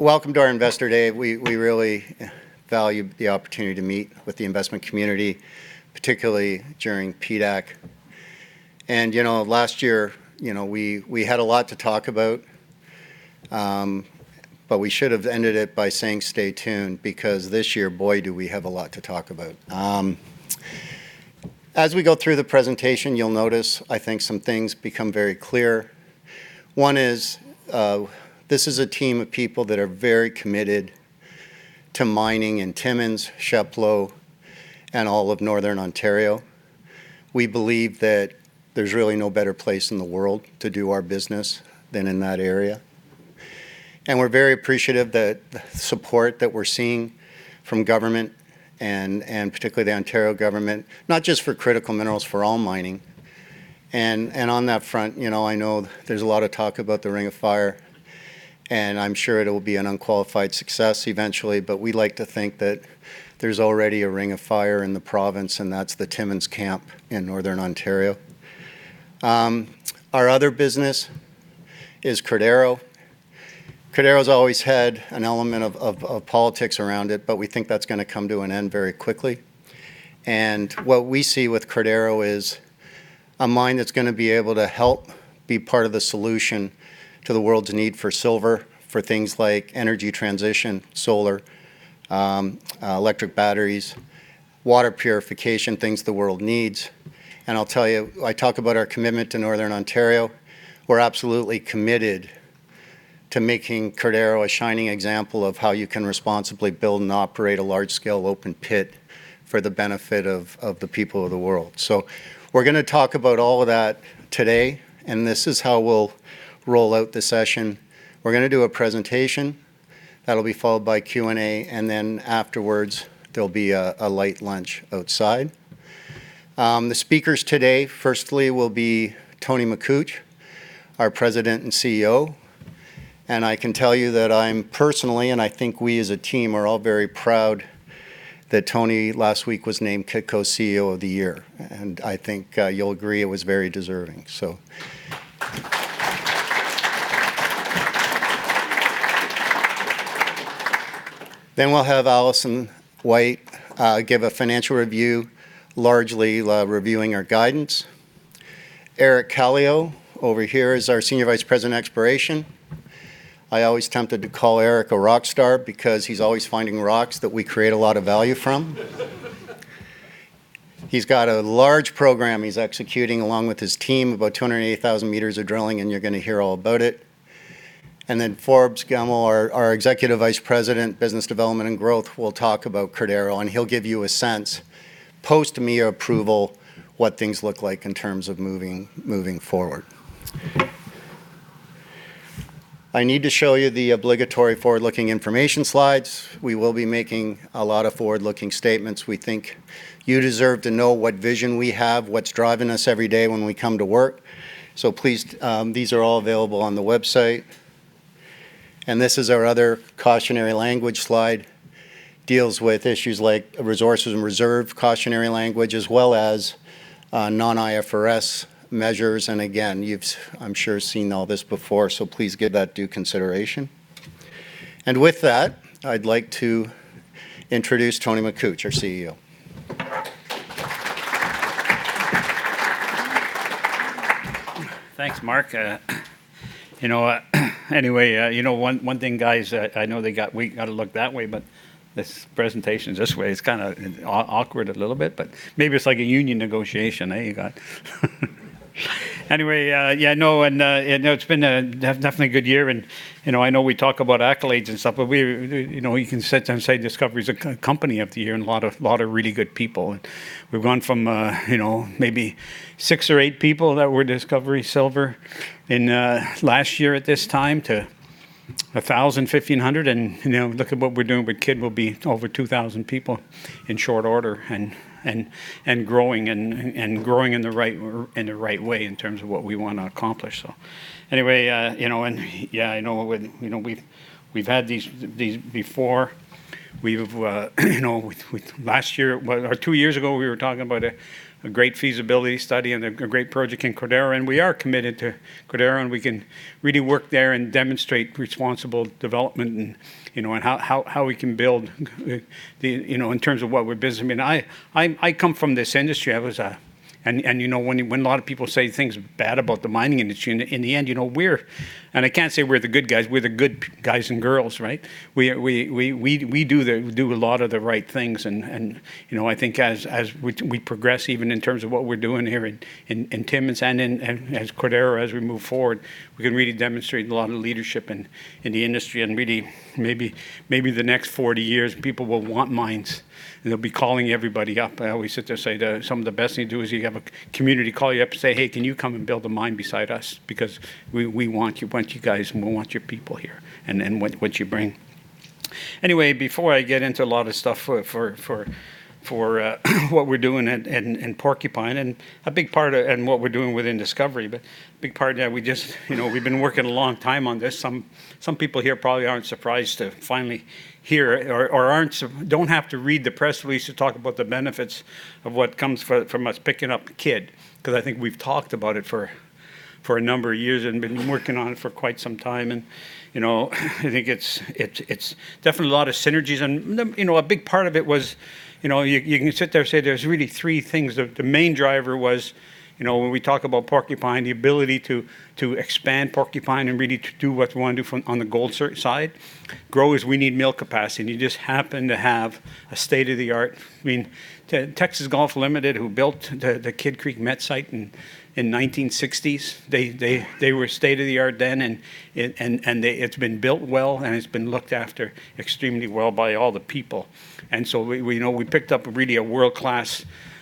Welcome to our Investor Day. We really value the opportunity to meet with the investment community, particularly during PDAC. You know, last year, you know, we had a lot to talk about, but we should have ended it by saying stay tuned because this year, boy, do we have a lot to talk about. As we go through the presentation, you'll notice, I think, some things become very clear. One is, this is a team of people that are very committed to mining in Timmins, Chapleau, and all of Northern Ontario. We believe that there's really no better place in the world to do our business than in that area. We're very appreciative the support that we're seeing from government and particularly the Ontario government, not just for critical minerals, for all mining. On that front, you know, I know there's a lot of talk about the Ring of Fire, and I'm sure it'll be an unqualified success eventually, but we like to think that there's already a Ring of Fire in the province, and that's the Timmins Camp in Northern Ontario. Our other business is Cordero. Cordero's always had an element of politics around it, but we think that's gonna come to an end very quickly. What we see with Cordero is a mine that's gonna be able to help be part of the solution to the world's need for silver for things like energy transition, solar, electric batteries, water purification, things the world needs. I'll tell you, I talk about our commitment to Northern Ontario, we're absolutely committed to making Cordero a shining example of how you can responsibly build and operate a large-scale open pit for the benefit of the people of the world. We're going to talk about all of that today, and this is how we'll roll out the session. We're going to do a presentation that will be followed by Q&A, and then afterwards, there will be a light lunch outside. The speakers today, firstly, will be Tony Makuch, our President and CEO. I can tell you that I am personally, and I think we as a team, are all very proud that Tony last week was named Kitco CEO of the Year, and I think you will agree it was very deserving, so, we will have Alison White give a financial review, largely reviewing our guidance. Eric Kallio over here is our Senior Vice President, Exploration. I'm always tempted to call Eric a rock star because he's always finding rocks that we create a lot of value from. He's got a large program he's executing along with his team, about 280,000 m of drilling. You're gonna hear all about it. Forbes Gemmell, our Executive Vice President, Business Development and Growth, will talk about Cordero. He'll give you a sense, post-MIA approval, what things look like in terms of moving forward. I need to show you the obligatory forward-looking information slides. We will be making a lot of forward-looking statements. We think you deserve to know what vision we have, what's driving us every day when we come to work. Please, these are all available on the website. This is our other cautionary language slide, deals with issues like resources and reserve cautionary language, as well as non-IFRS measures. Again, you've I'm sure seen all this before, so please give that due consideration. With that, I'd like to introduce Tony Makuch, our CEO. Thanks, Mark. You know, anyway, you know, one thing, guys, I know we gotta look that way, but this presentation's this way. It's kinda awkward a little bit, but maybe it's like a union negotiation, eh, you got? Anyway, yeah, no, and, you know, it's been a definitely a good year, and, you know, I know we talk about accolades and stuff, but we, you know, you can sit and say Discovery's a company of the year and a lot of really good people. We've gone from, you know, maybe six or eight people that were Discovery Silver in last year at this time to 1,000, 1,500 and, you know, look at what we're doing, but Kidd will be over 2,000 people in short order and growing and growing in the right way in terms of what we wanna accomplish. Anyway, you know. Yeah, I know when, you know, we've had these before. We've, you know, with last year, well, or two years ago, we were talking about a great feasibility study and a great project in Cordero. We are committed to Cordero. We can really work there and demonstrate responsible development and, you know, and how we can build the, you know, in terms of what we're business. I mean, I come from this industry. I was a. You know, when a lot of people say things bad about the mining industry, in the end, you know, we're. I can't say we're the good guys. We're the good guys and girls, right? We do a lot of the right things and, you know, I think as we progress, even in terms of what we're doing here in Timmins and as Cordero, as we move forward, we can really demonstrate a lot of leadership in the industry and really maybe the next 40 years, people will want mines, and they'll be calling everybody up. I always sit there and say. Some of the best thing you do is you have a community call you up and say, hey, can you come and build a mine beside us? Because we want you, want you guys, and we want your people here and then what you bring. Anyway, before I get into a lot of stuff for what we're doing in Porcupine, and what we're doing within Discovery, but a big part, yeah, we just, you know, we've been working a long time on this. Some people here probably aren't surprised to finally hear or don't have to read the press release to talk about the benefits of what comes from us picking up Kidd, 'cause I think we've talked about it for a number of years and been working on it for quite some time and, you know, I think it's, it's definitely a lot of synergies and, you know, a big part of it was. You know, you can sit there and say there's really three things. The main driver was, you know, when we talk about Porcupine, the ability to expand Porcupine and really to do what we wanna do from, on the gold circuit side. Grow is we need mill capacity, and you just happen to have a state-of-the-art, I mean, Texas Gulf Limited, who built the Kidd Creek met site in 1960s, they were state-of-the-art then, it's been built well, and it's been looked after extremely well by all the people. We, you know, we picked up really a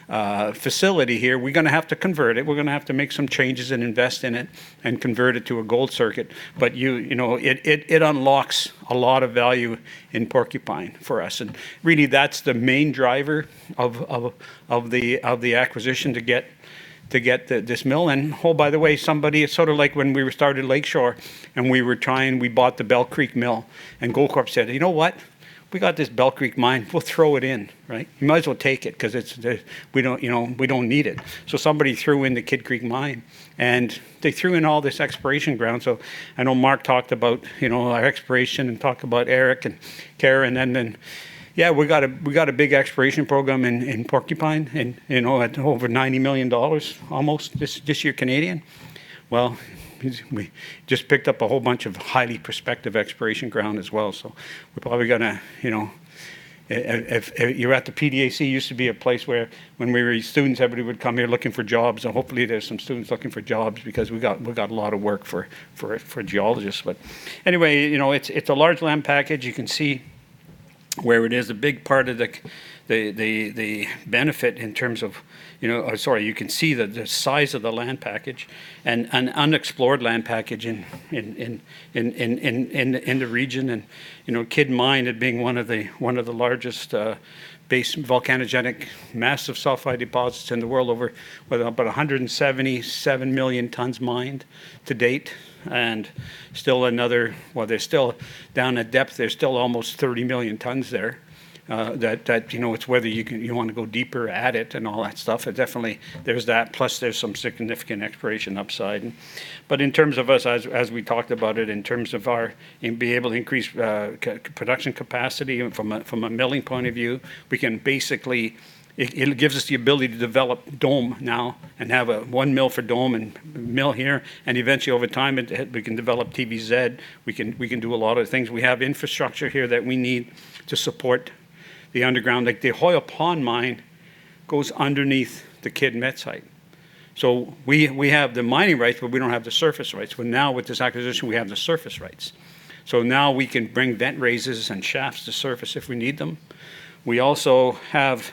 world-class facility here. We're gonna have to convert it. We're gonna have to make some changes and invest in it and convert it to a gold circuit. You, you know, it unlocks a lot of value in Porcupine for us. Really, that's the main driver of the acquisition to get this mill. Oh, by the way, somebody, It's sort of like when we were starting Lake Shore and we were trying we bought the Bell Creek mill, and Goldcorp said, you know what? We got this Bell Creek mine. We'll throw it in, right? You might as well take it 'cause it's, We don't, you know, we don't need it. Somebody threw in the Kidd Creek mine, and they threw in all this exploration ground. I know Mark talked about, you know, our exploration and talked about Eric and Karen, yeah, we got a big exploration program in Porcupine in over 90 million dollars almost this year, Canadian. We just picked up a whole bunch of highly prospective exploration ground as well, we're probably gonna, you know. If you're at the PDAC, used to be a place where, when we were students, everybody would come here looking for jobs. Hopefully, there's some students looking for jobs because we got a lot of work for geologists. Anyway, you know, it's a large land package. You can see where it is. A big part of the benefit in terms of, you know. Sorry, you can see the size of the land package and an unexplored land package in the region. You know, Kidd Mine being one of the largest volcanogenic massive sulfide deposits in the world, over about 177 million tons mined to date. Still another. Well, there's still, down at depth, there's still almost 30 million tons there, that, you know, it's whether you want to go deeper at it and all that stuff. It definitely. There's that, plus there's some significant exploration upside. In terms of us, as we talked about it, in terms of our. In being able to increase production capacity from a milling point of view, we can basically. It gives us the ability to develop Dome now and have one mill for Dome and mill here. Eventually, over time, it, we can develop TVZ. We can do a lot of things. We have infrastructure here that we need to support the underground. Like, the Hoyle Pond mine goes underneath the Kidd met site. We have the mining rights, but we don't have the surface rights. Well, now with this acquisition, we have the surface rights. Now we can bring vent raises and shafts to surface if we need them. We also have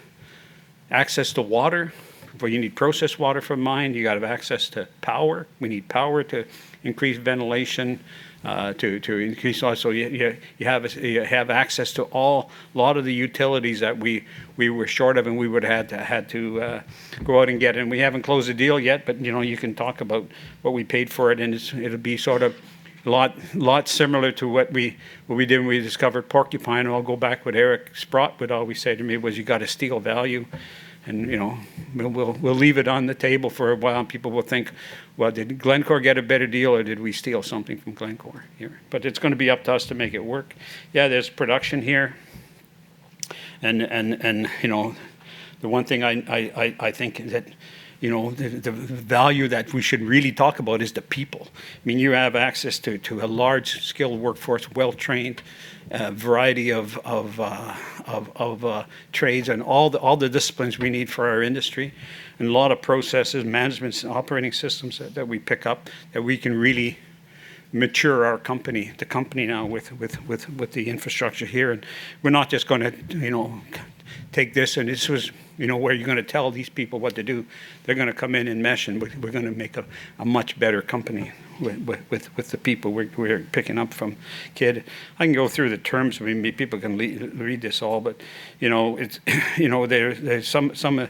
access to water. You need processed water for mine. You gotta have access to power. We need power to increase ventilation, to increase also, you have access to all, lot of the utilities that we were short of, and we would had to go out and get. We haven't closed the deal yet, but, you know, you can talk about what we paid for it, and it's, it'll be sort of lot similar to what we did when we discovered Porcupine. I'll go back what Eric Sprott would always say to me was, you gotta steal value, and, you know, we'll leave it on the table for a while, and people will think, well, did Glencore get a better deal, or did we steal something from Glencore here? It's gonna be up to us to make it work. Yeah, there's production here. You know, the one thing I think that, you know, the value that we should really talk about is the people. I mean, you have access to a large, skilled workforce, well-trained, variety of trades and all the disciplines we need for our industry. A lot of processes, managements, operating systems that we pick up, that we can really mature our company, the company now with the infrastructure here. We're not just gonna, you know, take this and this was, you know, where you're gonna tell these people what to do. They're gonna come in and mesh, and we're gonna make a much better company with the people we're picking up from Kidd. I can go through the terms. I mean, people can re-read this all, you know, it's, you know, there's some. Sorry,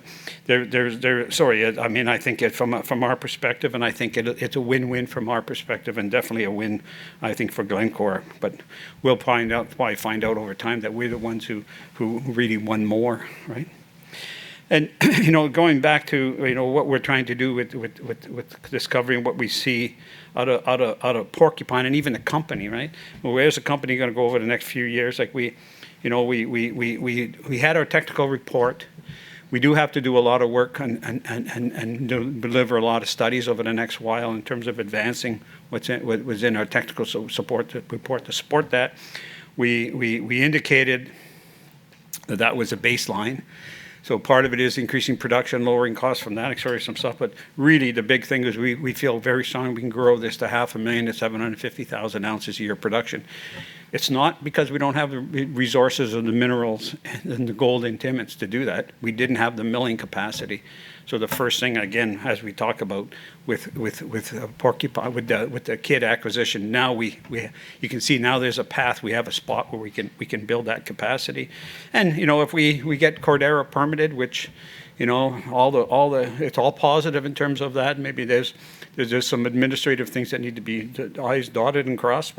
I mean, I think it from our perspective, and I think it's a win-win from our perspective and definitely a win I think for Glencore. We'll find out, probably find out over time that we're the ones who really won more, right? You know, going back to, you know, what we're trying to do with Discovery and what we see out of Porcupine and even the company, right? Where's the company gonna go over the next few years? Like, we, you know, we had our technical report. We do have to do a lot of work and deliver a lot of studies over the next while in terms of advancing what's in our technical support to report to support that. We indicated that that was a baseline. Part of it is increasing production, lowering costs from that, extract some stuff. Really, the big thing is we feel very strong we can grow this to 0.5 million to 750,000 ounces a year production. It's not because we don't have the resources or the minerals and the gold in Timmins to do that. We didn't have the milling capacity. The first thing, again, as we talk about with Porcupine with the Kidd acquisition, now you can see now there's a path. We have a spot where we can build that capacity. You know, if we get Cordero permitted, which, you know, all the it's all positive in terms of that. Maybe there's just some administrative things that need to be the I's dotted and crossed.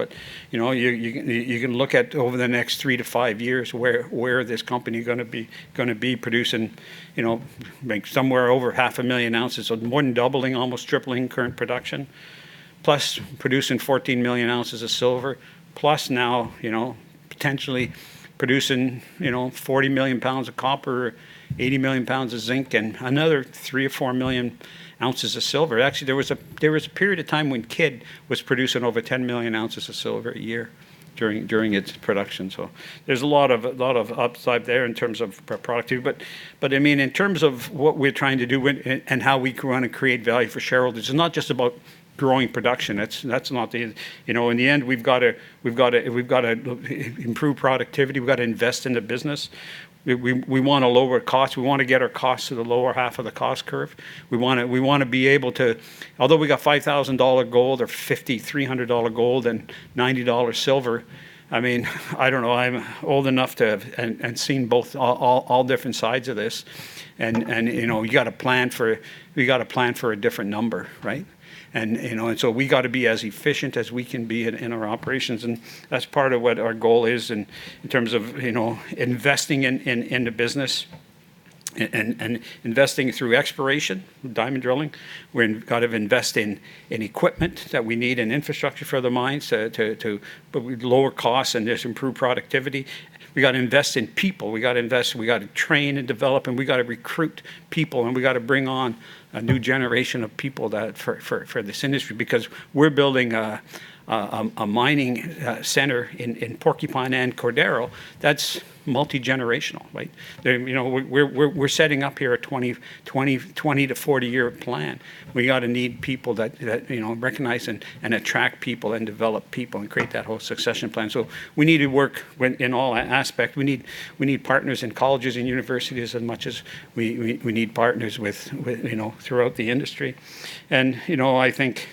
You know, you can look at over the next three to five years where this company gonna be producing, you know, make somewhere over 0.5 million ounces. More than doubling, almost tripling current production. Plus producing 14 million ounces of silver. Plus now, you know. Potentially producing, you know, 40 million pounds of copper, 80 million pounds of zinc, and another 3-4 million ounces of silver. There was a period of time when Kidd was producing over 10 million ounces of silver a year during its production. There's a lot of upside there in terms of productivity. I mean, in terms of what we're trying to do and how we wanna create value for shareholders, it's not just about growing production. That's not the. You know, in the end, we've gotta improve productivity, we've gotta invest in the business. We want to lower costs. We wanna get our costs to the lower half of the cost curve. We wanna be able to. Although we got $5,000 gold or $5,300 gold and $90 silver, I mean, I don't know, I'm old enough to have and seen both. all different sides of this and, you know, you gotta plan for, we gotta plan for a different number, right? You know, we gotta be as efficient as we can be in our operations, and that's part of what our goal is in terms of, you know, investing in the business and investing through exploration, diamond drilling. We've got to invest in equipment that we need and infrastructure for the mines to lower costs and just improve productivity. We gotta invest in people. We gotta train and develop, and we gotta recruit people, and we gotta bring on a new generation of people that for this industry because we're building a mining center in Porcupine and Cordero that's multi-generational, right? You know, we're setting up here a 20-40 year plan. We gotta need people that, you know, recognize and attract people and develop people and create that whole succession plan. We need to work in all aspect. We need partners in colleges and universities as much as we need partners with, you know, throughout the industry. You know, I think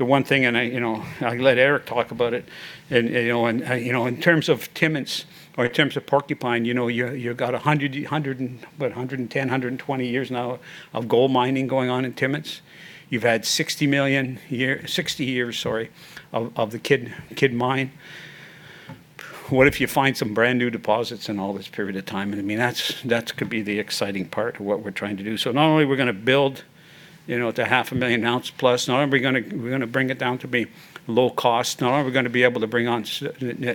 the one thing, I, you know, I'll let Eric talk about it, and, you know, in terms of Timmins or in terms of Porcupine, you know, you got 110-120 years now of gold mining going on in Timmins. You've had 60 years, sorry, of the Kidd Mine. What if you find some brand-new deposits in all this period of time? I mean, that could be the exciting part of what we're trying to do. Not only are we gonna build, you know, to 0.5 million ounce plus, we're gonna bring it down to be low cost, not only are we gonna be able to bring on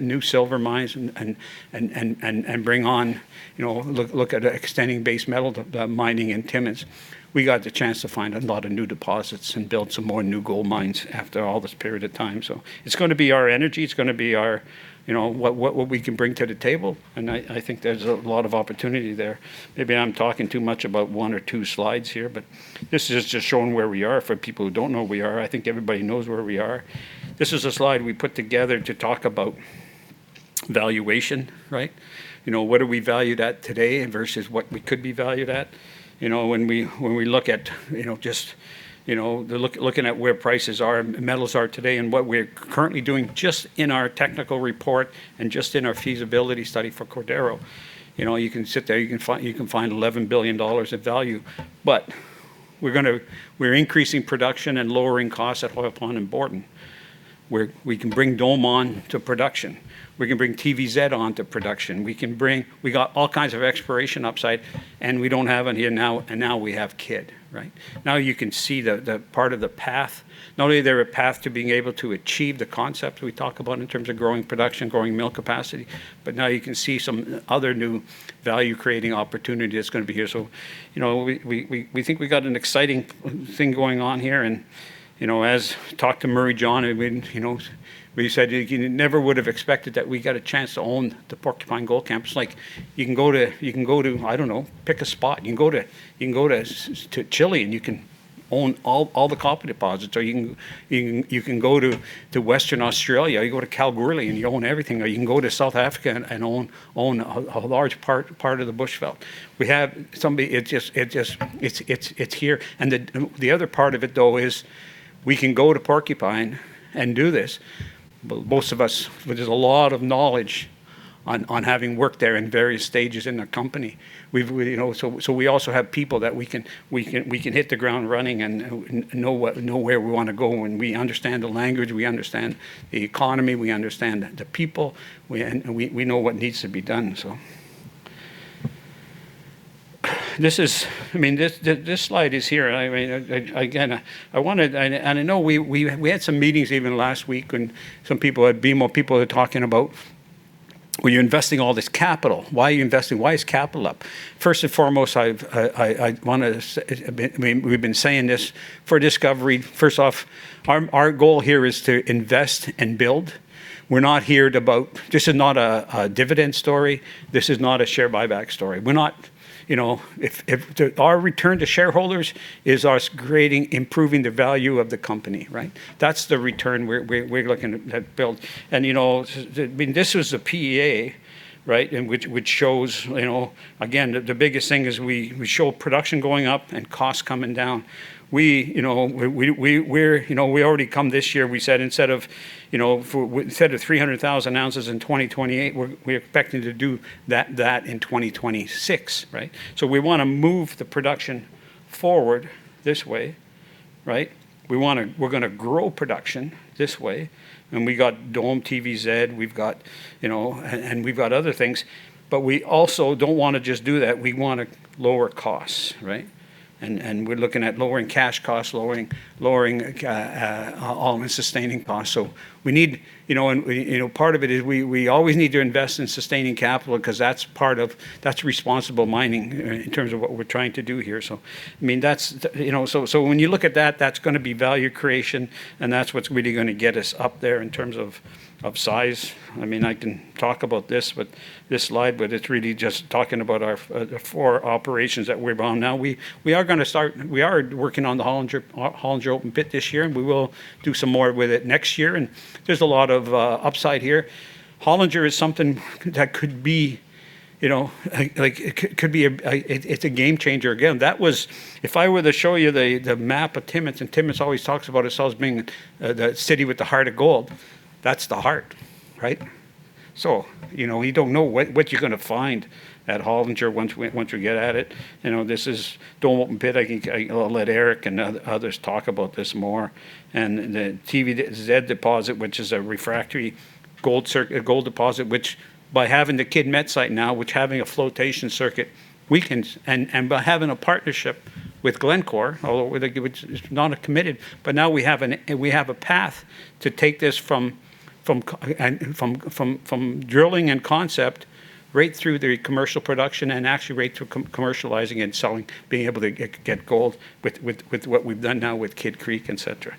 new silver mines and bring on, you know, look at extending base metal mining in Timmins, we got the chance to find a lot of new deposits and build some more new gold mines after all this period of time. It's gonna be our energy, it's gonna be our, you know, what we can bring to the table, and I think there's a lot of opportunity there. Maybe I'm talking too much about one or two slides here, but this is just showing where we are for people who don't know where we are. I think everybody knows where we are. This is a slide we put together to talk about valuation, right? You know, what are we valued at today versus what we could be valued at? You know, when we, when we look at, you know, just, you know, looking at where prices are and metals are today and what we're currently doing just in our technical report and just in our feasibility study for Cordero, you know, you can sit there, you can find $11 billion in value. We're increasing production and lowering costs at Hoyle Pond and Borden, where we can bring Dome on to production. We can bring TVZ on to production. We got all kinds of exploration upside, now we have Kidd, right? Now you can see the part of the path. Not only are there a path to being able to achieve the concepts we talk about in terms of growing production, growing mill capacity, but now you can see some other new value-creating opportunity that's gonna be here. You know, we think we got an exciting thing going on here and, you know, Talked to Murray John and we, you know, we said you never would've expected that we'd get a chance to own the Porcupine gold camps. Like, you can go to, I don't know, pick a spot. You can go to, you can go to Chile and you can own all the copper deposits, or you can go to Western Australia, or you can go to Kalgoorlie and you own everything, or you can go to South Africa and own a large part of the Bushveld. We have somebody, it just, it's here. The other part of it, though, is we can go to Porcupine and do this. Most of us, there's a lot of knowledge on having worked there in various stages in the company. We've, you know, we also have people that we can hit the ground running and know where we wanna go, and we understand the language, we understand the economy, we understand the people. We know what needs to be done. I mean, this slide is here. I mean, again, I wanna. I know we had some meetings even last week and some people at BMO are talking about, well, you're investing all this capital. Why are you investing? Why is capital up? First and foremost, I wanna say. I mean, we've been saying this for Discovery. First off, our goal here is to invest and build. We're not here to build. This is not a dividend story. This is not a share buyback story. We're not, you know, Our return to shareholders is us creating, improving the value of the company, right? That's the return we're looking to build. You know, I mean, this was a PEA, right? In which shows, Again, the biggest thing is we show production going up and costs coming down. We already come this year, we said instead of, instead of 300,000 ounces in 2028, we're expecting to do that in 2026, right? We wanna move the production forward this way. Right? We're gonna grow production this way, we got Dome TVZ, we've got other things, we also don't wanna just do that, we wanna lower costs, right? We're looking at lowering cash costs, lowering all the sustaining costs. We need, you know, and we, you know, part of it is we always need to invest in sustaining capital because that's part of. That's responsible mining in terms of what we're trying to do here. I mean, that's, you know. When you look at that's gonna be value creation, and that's what's really gonna get us up there in terms of size. I mean, I can talk about this, but this slide, but it's really just talking about our the four operations that we're on now. We are gonna start. We are working on the Hollinger open pit this year, and we will do some more with it next year, and there's a lot of upside here. Hollinger is something that could be, you know, like could be a game changer again. It's a game changer again. If I were to show you the map of Timmins, and Timmins always talks about itself as being the city with the heart of gold, that's the heart, right? You know, we don't know what you're gonna find at Hollinger once we get at it. You know, this is Dome open pit. I think I'll let Eric and others talk about this more. The TVZ deposit, which is a refractory gold deposit, which by having the Kidd Met site now, which having a flotation circuit, we can, by having a partnership with Glencore, although which is not committed, but now we have a path to take this from drilling and concept right through the commercial production and actually right to commercializing and selling, being able to get gold with what we've done now with Kidd Creek, et cetera.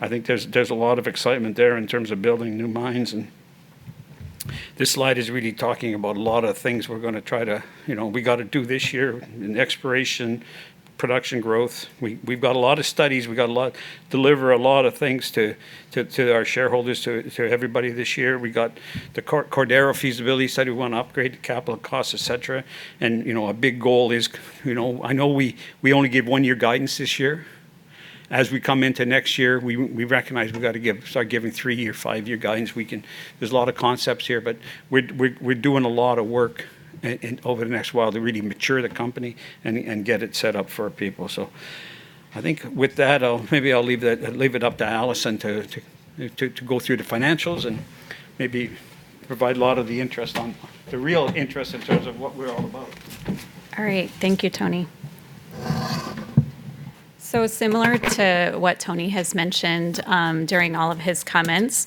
I think there's a lot of excitement there in terms of building new mines. This slide is really talking about a lot of things we're gonna try to, you know, we gotta do this year in exploration, production growth. We've got a lot of studies, deliver a lot of things to our shareholders, to everybody this year. We got the Cordero feasibility study. We wanna upgrade the capital costs, et cetera. You know, a big goal is, you know, I know we only give one-year guidance this year. As we come into next year, we recognize we've got to start giving three-year, five-year guidance. There's a lot of concepts here, but we're doing a lot of work and over the next while to really mature the company and get it set up for our people. I think with that, I'll maybe leave it up to Alison to go through the financials and maybe provide a lot of the real interest in terms of what we're all about. All right. Thank you, Tony. Similar to what Tony has mentioned, during all of his comments,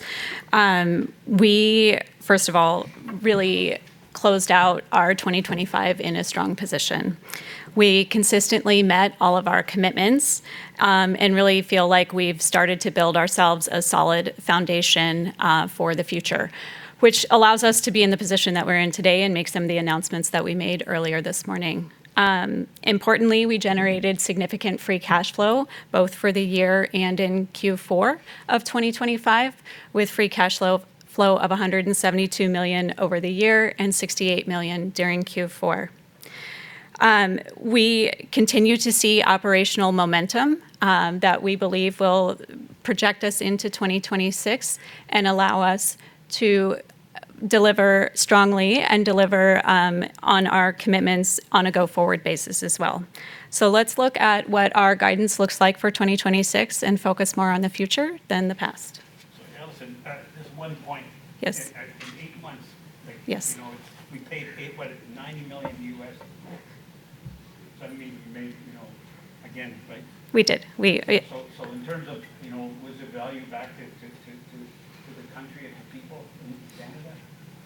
we first of all really closed out our 2025 in a strong position. We consistently met all of our commitments and really feel like we've started to build ourselves a solid foundation for the future, which allows us to be in the position that we're in today and make some of the announcements that we made earlier this morning. Importantly, we generated significant free cash flow both for the year and in Q4 of 2025, with free cash flow of $172 million over the year and $68 million during Q4. We continue to see operational momentum that we believe will project us into 2026 and allow us to deliver strongly and deliver on our commitments on a go-forward basis as well. Let's look at what our guidance looks like for 2026 and focus more on the future than the past. Alison, just one point. Yes. In eight months. Yes You know, we paid $90 million. I mean, we made, you know, again. We did. We. In terms of, you know, was it value back to the country and the people in Canada?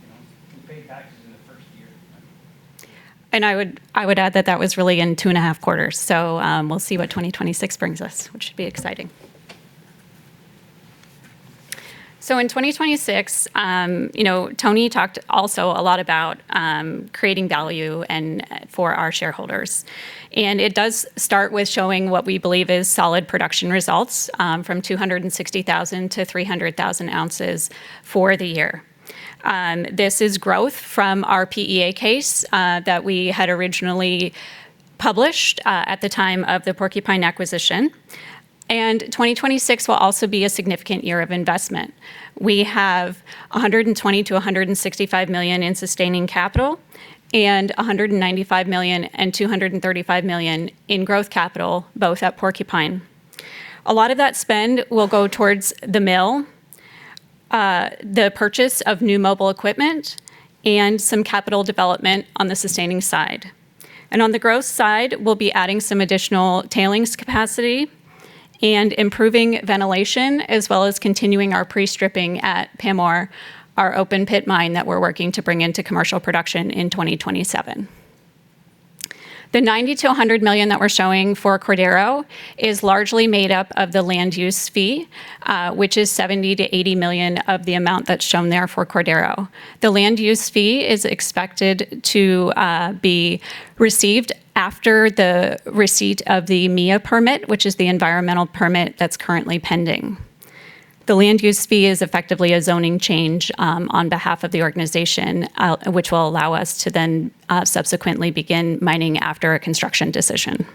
You know, we paid taxes in the first year. I would add that that was really in two and a half quarters. We'll see what 2026 brings us, which should be exciting. In 2026, you know, Tony talked also a lot about creating value and for our shareholders. It does start with showing what we believe is solid production results from 260,000 to 300,000 ounces for the year. This is growth from our PEA case that we had originally published at the time of the Porcupine acquisition. 2026 will also be a significant year of investment. We have $120 million-$165 million in sustaining capital and $195 million and $235 million in growth capital, both at Porcupine. A lot of that spend will go towards the mill, the purchase of new mobile equipment, and some capital development on the sustaining side. On the growth side, we'll be adding some additional tailings capacity and improving ventilation, as well as continuing our pre-stripping at Pamour, our open pit mine that we're working to bring into commercial production in 2027. The $90 million-$100 million that we're showing for Cordero is largely made up of the land use fee, which is $70 million-$80 million of the amount that's shown there for Cordero. The land use fee is expected to be received after the receipt of the MIA permit, which is the environmental permit that's currently pending. The land use fee is effectively a zoning change on behalf of the organization, which will allow us to then subsequently begin mining after a construction decision.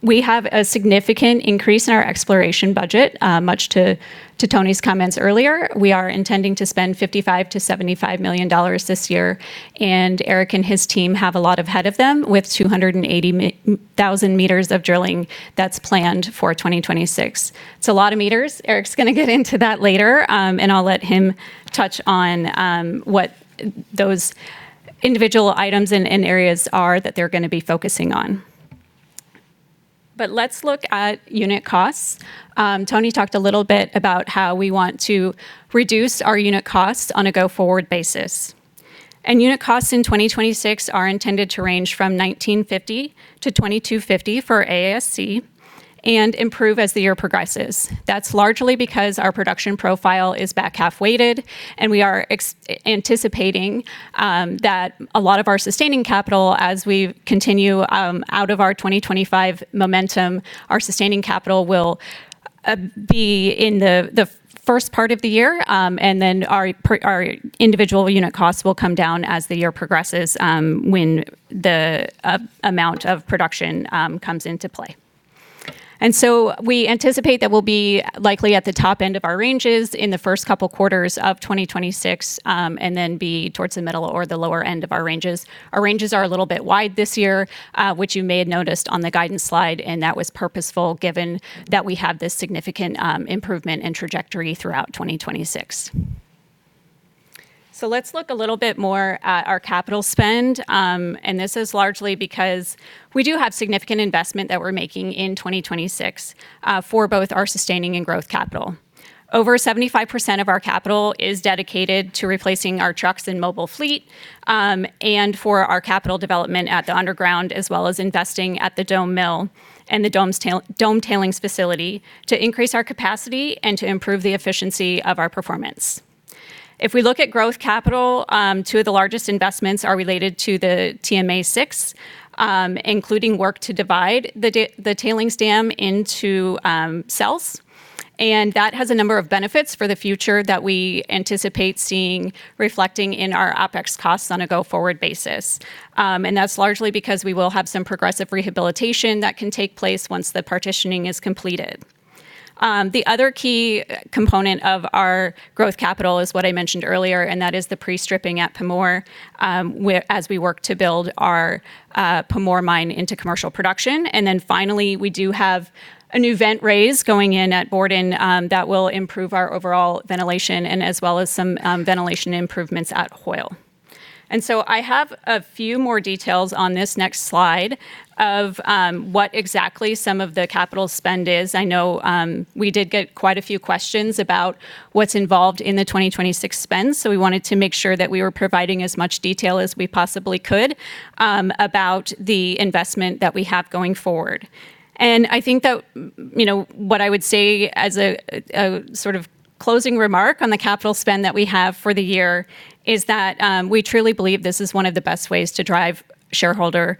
We have a significant increase in our exploration budget, much to Tony's comments earlier. We are intending to spend $55 million-$75 million this year, and Eric and his team have a lot ahead of them with 280,000 m of drilling that's planned for 2026. It's a lot of meters. Eric's gonna get into that later, and I'll let him touch on what those individual items and areas are that they're gonna be focusing on. Let's look at unit costs. Tony talked a little bit about how we want to reduce our unit costs on a go-forward basis. Unit costs in 2026 are intended to range from $19.50-$22.50 for AISC and improve as the year progresses. That's largely because our production profile is back half-weighted, and we are anticipating that a lot of our sustaining capital as we continue out of our 2025 momentum, our sustaining capital will be in the first part of the year, and then our individual unit costs will come down as the year progresses, when the amount of production comes into play. We anticipate that we'll be likely at the top end of our ranges in the first couple quarters of 2026, and then be towards the middle or the lower end of our ranges. Our ranges are a little bit wide this year, which you may have noticed on the guidance slide, that was purposeful given that we have this significant improvement in trajectory throughout 2026. Let's look a little bit more at our capital spend, and this is largely because we do have significant investment that we're making in 2026, for both our sustaining and growth capital. Over 75% of our capital is dedicated to replacing our trucks and mobile fleet, and for our capital development at the underground as well as investing at the Dome mill and the Dome tailings facility to increase our capacity and to improve the efficiency of our performance. If we look at growth capital, two of the largest investments are related to the TMA 6, including work to divide the tailings dam into cells. That has a number of benefits for the future that we anticipate seeing reflecting in our OpEx costs on a go-forward basis. That's largely because we will have some progressive rehabilitation that can take place once the partitioning is completed. The other key component of our growth capital is what I mentioned earlier, that is the pre-stripping at Pamour, as we work to build our Pamour mine into commercial production. Finally, we do have a new vent raise going in at Borden that will improve our overall ventilation and as well as some ventilation improvements at Hoyle. I have a few more details on this next slide of what exactly some of the capital spend is. I know, we did get quite a few questions about what's involved in the 2026 spend, so we wanted to make sure that we were providing as much detail as we possibly could about the investment that we have going forward. I think that, you know, what I would say as a sort of closing remark on the capital spend that we have for the year is that we truly believe this is one of the best ways to drive shareholder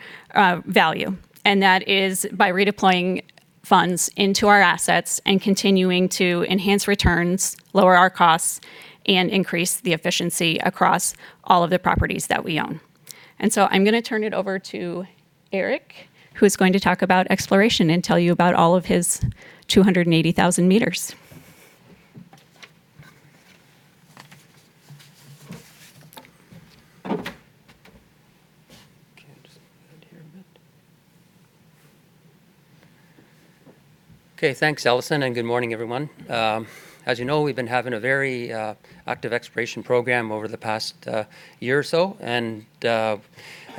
value, and that is by redeploying funds into our assets and continuing to enhance returns, lower our costs, and increase the efficiency across all of the properties that we own. I'm going to turn it over to Eric, who's going to talk about exploration and tell you about all of his 280,000 m. Okay, thanks, Alison, and good morning, everyone. As you know, we've been having a very active exploration program over the past year or so, and at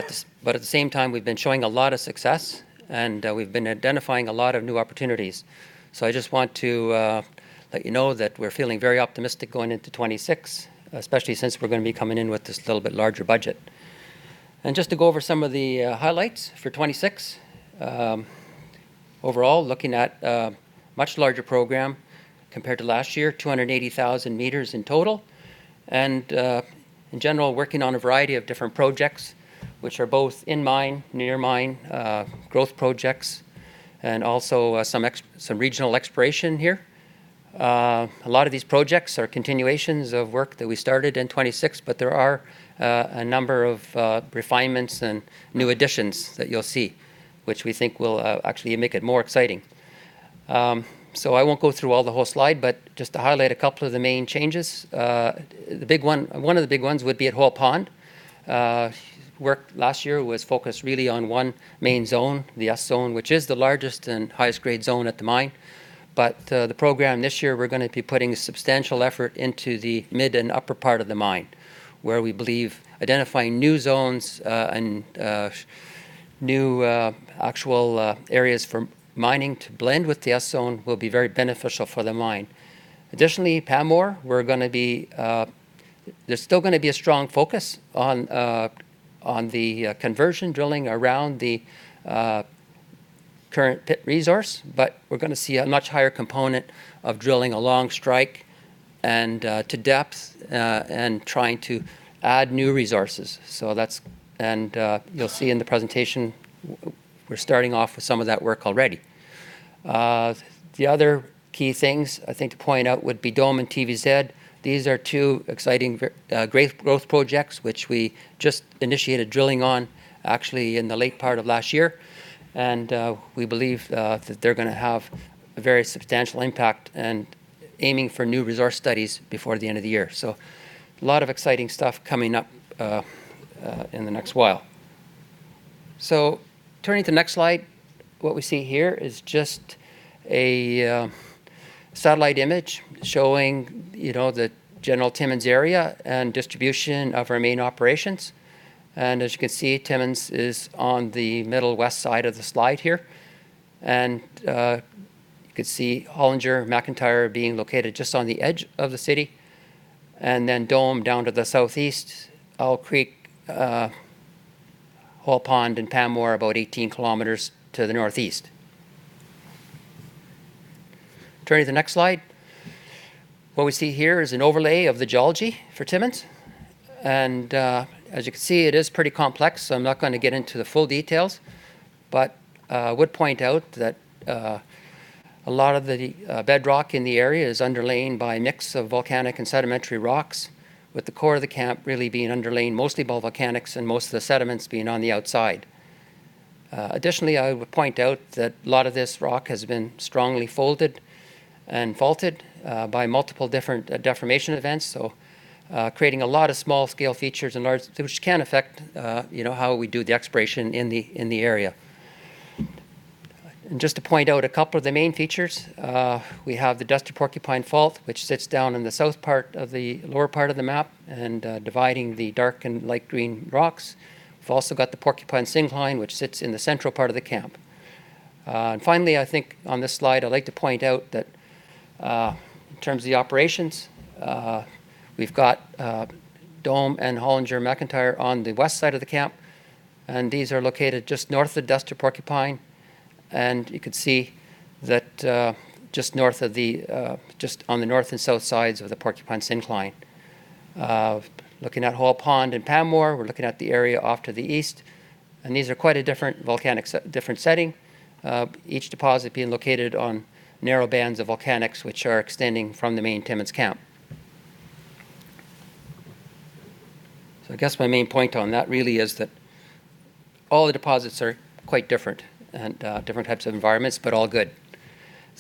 the same time, we've been showing a lot of success, and we've been identifying a lot of new opportunities. I just want to let you know that we're feeling very optimistic going into 2026, especially since we're gonna be coming in with this little bit larger budget. Just to go over some of the highlights for 2026, overall looking at a much larger program compared to last year, 280,000 m in total, in general working on a variety of different projects, which are both in-mine, near-mine, growth projects, and also some regional exploration here. A lot of these projects are continuations of work that we started in 2026, but there are a number of refinements and new additions that you'll see, which we think will actually make it more exciting. I won't go through all the whole slide, but just to highlight a couple of the main changes, one of the big ones would be at Hoyle Pond. as focused really on one main zone, the S zone, which is the largest and highest grade zone at the mine. The program this year, we're going to be putting substantial effort into the mid and upper part of the mine, where we believe identifying new zones and new actual areas for mining to blend with the S zone will be very beneficial for the mine. Additionally, Pamour, we're going to be, there's still going to be a strong focus on the conversion drilling around the current pit resource, but we're going to see a much higher component of drilling along strike and to depth and trying to add new resources. You'll see in the presentation we're starting off with some of that work already. The other key things I think to point out would be Dome and TVZ. These are two exciting great growth projects which we just initiated drilling on actually in the late part of last year. We believe that they're gonna have a very substantial impact and aiming for new resource studies before the end of the year. A lot of exciting stuff coming up in the next while. Turning to the next slide, what we see here is just a satellite image showing, you know, the general Timmins area and distribution of our main operations. As you can see, Timmins is on the middle west side of the slide here. You can see Hollinger-McIntyre being located just on the edge of the city, and then Dome down to the southeast, Owl Creek, Hoyle Pond and Pamour about 18 km to the northeast. Turning to the next slide, what we see here is an overlay of the geology for Timmins. As you can see, it is pretty complex, so I'm not gonna get into the full details. I would point out that a lot of the bedrock in the area is underlain by a mix of volcanic and sedimentary rocks, with the core of the camp really being underlain mostly by volcanics and most of the sediments being on the outside. Additionally, I would point out that a lot of this rock has been strongly folded and faulted by multiple different deformation events, so creating a lot of small scale features and large, which can affect, you know, how we do the exploration in the area. Just to point out a couple of the main features, we have the Destor-Porcupine Fault, which sits down in the south part of the lower part of the map and dividing the dark and light green rocks. We've also got the Porcupine syncline, which sits in the central part of the camp. Finally, I think on this slide, I'd like to point out that in terms of the operations, we've got Dome and Hollinger-McIntyre on the west side of the camp, and these are located just north of the Destor-Porcupine Fault. You could see that just on the north and south sides of the Porcupine Syncline. Looking at Hoyle Pond and Pamour, we're looking at the area off to the east, and these are quite a different volcanic setting, each deposit being located on narrow bands of volcanics which are extending from the main Timmins camp. I guess my main point on that really is that all the deposits are quite different and different types of environments, but all good.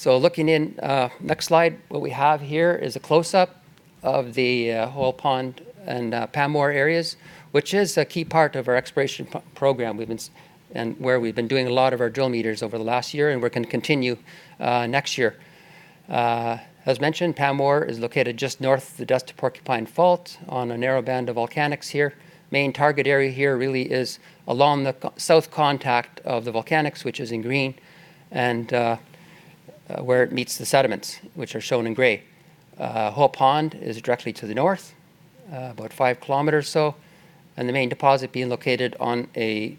Looking in, next slide, what we have here is a close-up of the Hoyle Pond and Pamour areas, which is a key part of our exploration program where we've been doing a lot of our drill meters over the last year and we're gonna continue next year. As mentioned, Pamour is located just north of the Destor-Porcupine Fault on a narrow band of volcanics here. Main target area here really is along the south contact of the volcanics, which is in green, and where it meets the sediments, which are shown in gray. Hoyle Pond is directly to the north, about 5 km or so, and the main deposit being located on a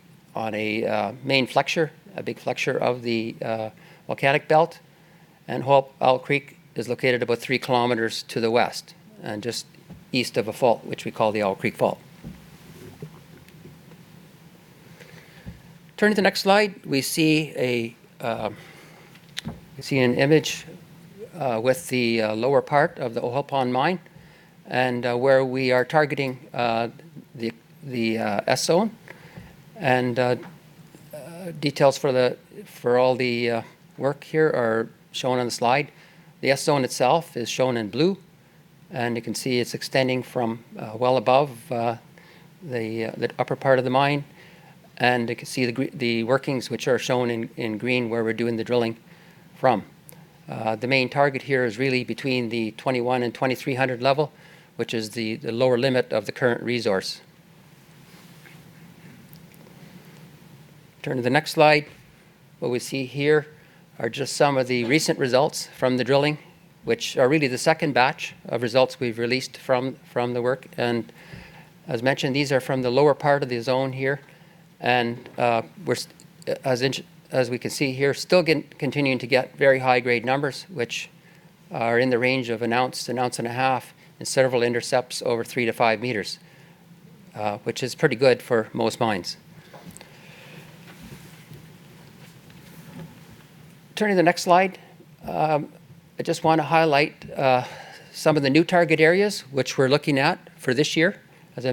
main flexure, a big flexure of the volcanic belt. Owl Creek is located about 3 km to the west and just east of a fault, which we call the Owl Creek Fault. Turning to the next slide, we see an image with the lower part of the Hoyle Pond mine and where we are targeting the S zone. Details for all the work here are shown on the slide. The S zone itself is shown in blue, and you can see it's extending from well above the upper part of the mine. You can see the workings which are shown in green where we're doing the drilling from. The main target here is really between the 2,100 and 2,300 level, which is the lower limit of the current resource. Turning to the next slide, what we see here are just some of the recent results from the drilling, which are really the second batch of results we've released from the work. As mentioned, these are from the lower part of the zone here. As we can see here, still continuing to get very high grade numbers, which are in the range of an ounce to an ounce and a half, and several intercepts over three to 5 m, which is pretty good for most mines. Turning to the next slide, I just wanna highlight some of the new target areas which we're looking at for this year. As I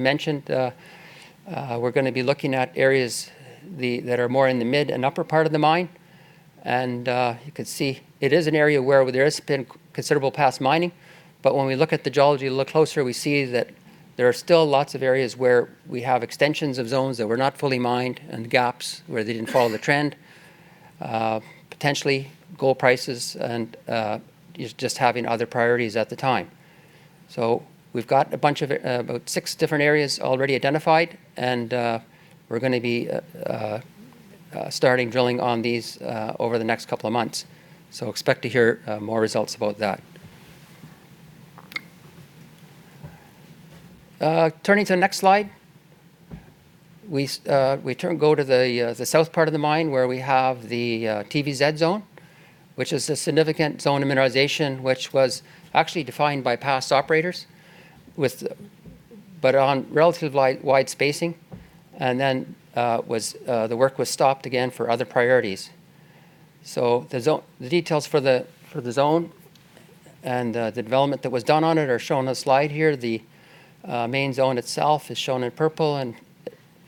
mentioned, we're gonna be looking at areas that are more in the mid and upper part of the mine. You can see it is an area where there has been considerable past mining. When we look at the geology a little closer, we see that there are still lots of areas where we have extensions of zones that were not fully mined and gaps where they didn't follow the trend. Potentially gold prices and just having other priorities at the time. We've got a bunch of about six different areas already identified, and we're gonna be starting drilling on these over the next couple of months. Expect to hear more results about that. Turning to the next slide, we go to the south part of the mine where we have the TVZ zone, which is a significant zone of mineralization, which was actually defined by past operators but on relatively wide spacing, and then, the work was stopped again for other priorities. The details for the zone and the development that was done on it are shown on the slide here. The main zone itself is shown in purple and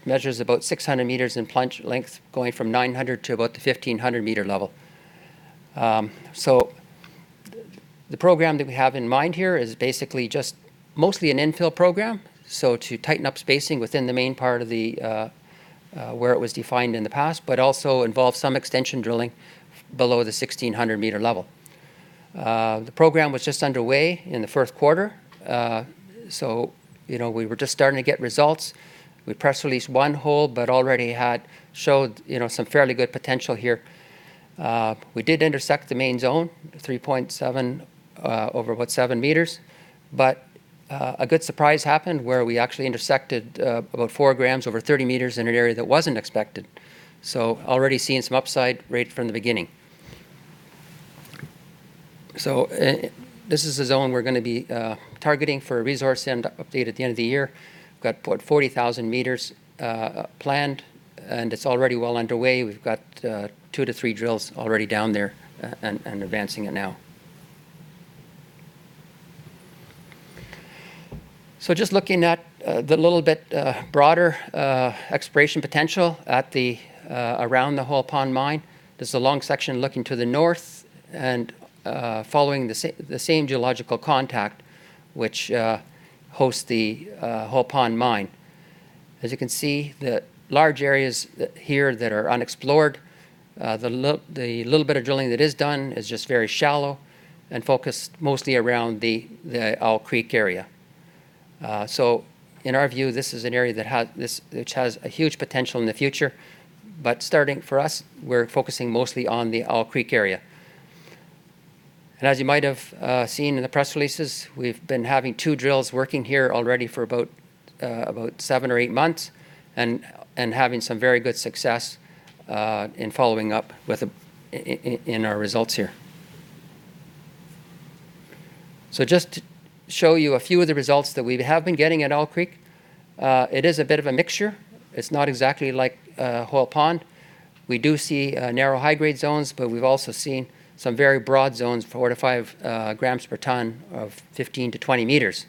measures about 600 m in plunge length, going from 900-m to about the 1,500-m level. The program that we have in mind here is basically just mostly an infill program, to tighten up spacing within the main part of the where it was defined in the past, also involve some extension drilling below the 1,600-m level. The program was just underway in the first quarter, you know, we were just starting to get results. We press released one hole, already had showed, you know, some fairly good potential here. We did intersect the main zone, 3.7, over about 7 m. A good surprise happened where we actually intersected about four grams over 30 m in an area that wasn't expected. Already seeing some upside right from the beginning. This is the zone we're gonna be targeting for a resource and update at the end of the year. We've got about 40,000 m planned, and it's already well underway. We've got two to three drills already down there and advancing it now. Just looking at the little bit broader exploration potential at the around the Hoyle Pond mine. This is a long section looking to the north and following the same geological contact which hosts the Hoyle Pond mine. As you can see, the large areas here that are unexplored, the little bit of drilling that is done is just very shallow and focused mostly around the Owl Creek area. In our view, this is an area that which has a huge potential in the future. Starting for us, we're focusing mostly on the Owl Creek area. As you might have, seen in the press releases, we've been having two drills working here already for about seven or eight months and having some very good success, in following up in our results here. Just to show you a few of the results that we have been getting at Owl Creek, it is a bit of a mixture. It's not exactly like Hoyle Pond. We do see narrow high-grade zones, but we've also seen some very broad zones, 4 g-5 g per ton of 15 m-20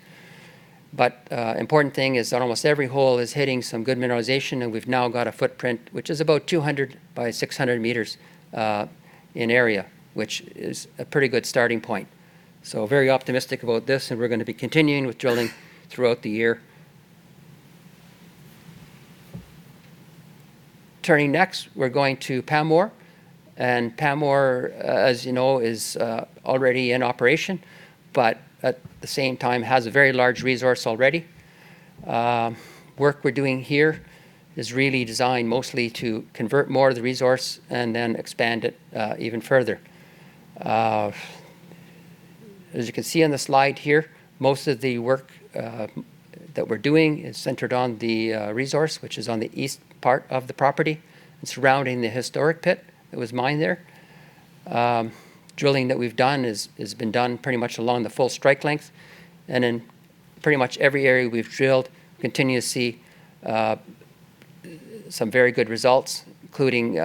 m. Important thing is that almost every hole is hitting some good mineralization, and we've now got a footprint which is about 200 m by 600 m in area, which is a pretty good starting point. Very optimistic about this, and we're gonna be continuing with drilling throughout the year. Turning next, we're going to Pamour. Pamour, as you know, is already in operation, but at the same time has a very large resource already. Work we're doing here is really designed mostly to convert more of the resource and then expand it even further. As you can see on the slide here, most of the work that we're doing is centered on the resource, which is on the east part of the property and surrounding the historic pit that was mined there. Drilling that we've done is been done pretty much along the full strike length. In pretty much every area we've drilled, continue to see some very good results, including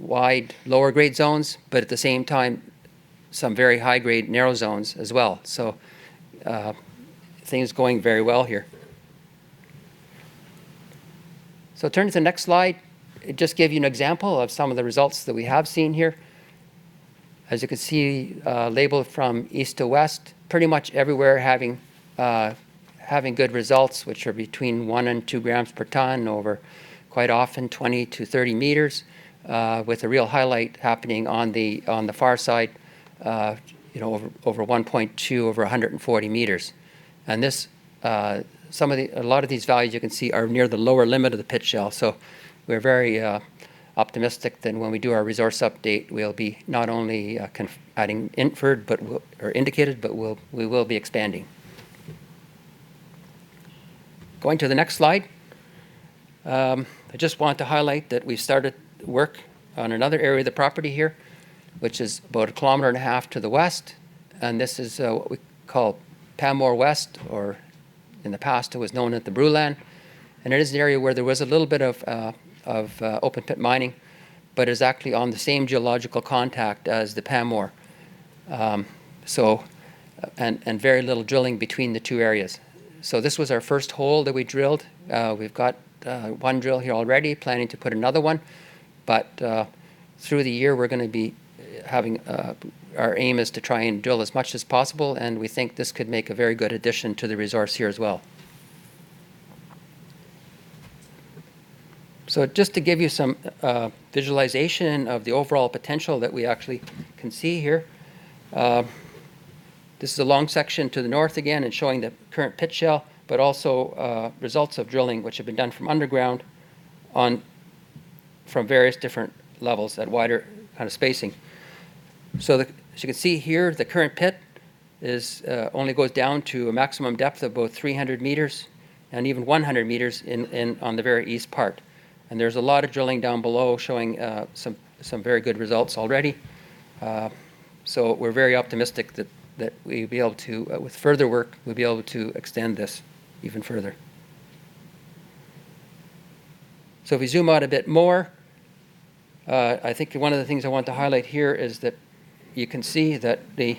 wide lower-grade zones, but at the same time, some very high-grade narrow zones as well. Things going very well here. Turning to the next slide, it just gave you an example of some of the results that we have seen here. As you can see, labeled from east to west, pretty much everywhere having good results, which are between 1 g and 2 g per ton over quite often 20 m-30 m, with a real highlight happening on the far side, you know, over 1.2 over 140 m. This, some of the, a lot of these values you can see are near the lower limit of the pit shell. We're very optimistic that when we do our resource update, we'll be not only adding inferred, but or indicated, but we will be expanding. Going to the next slide. I just want to highlight that we started work on another area of the property here, which is about 1.5 km to the west. This is what we call Pamour West, or in the past, it was known as the Broulan. It is an area where there was a little bit of open pit mining, but is actually on the same geological contact as the Pamour. Very little drilling between the two areas. This was our first hole that we drilled. We've got one drill here already, planning to put another one. Through the year, we're gonna be having, our aim is to try and drill as much as possible, and we think this could make a very good addition to the resource here as well. Just to give you some visualization of the overall potential that we actually can see here. This is a long section to the north again and showing the current pit shell, but also results of drilling which have been done from underground from various different levels at wider spacing. As you can see here, the current pit is only goes down to a maximum depth of about 300 m and even 100 m on the very east part. There's a lot of drilling down below showing some very good results already. We're very optimistic that we'll be able to, with further work, we'll be able to extend this even further. If we zoom out a bit more, I think one of the things I want to highlight here is that you can see that the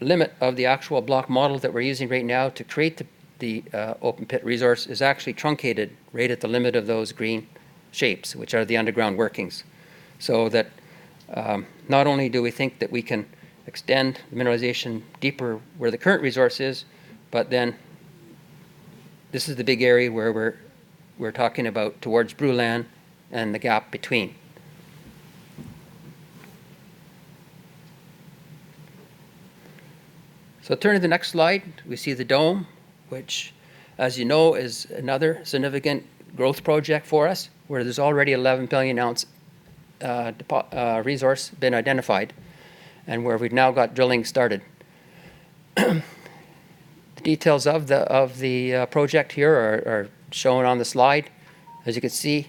limit of the actual block model that we're using right now to create the open pit resource is actually truncated right at the limit of those green shapes, which are the underground workings. That, not only do we think that we can extend mineralization deeper where the current resource is, but then this is the big area where we're talking about towards Brule and the gap between. Turning to the next slide, we see the Dome, which as you know, is another significant growth project for us, where there's already 11 billion ounce resource been identified and where we've now got drilling started. The details of the project here are shown on the slide. As you can see,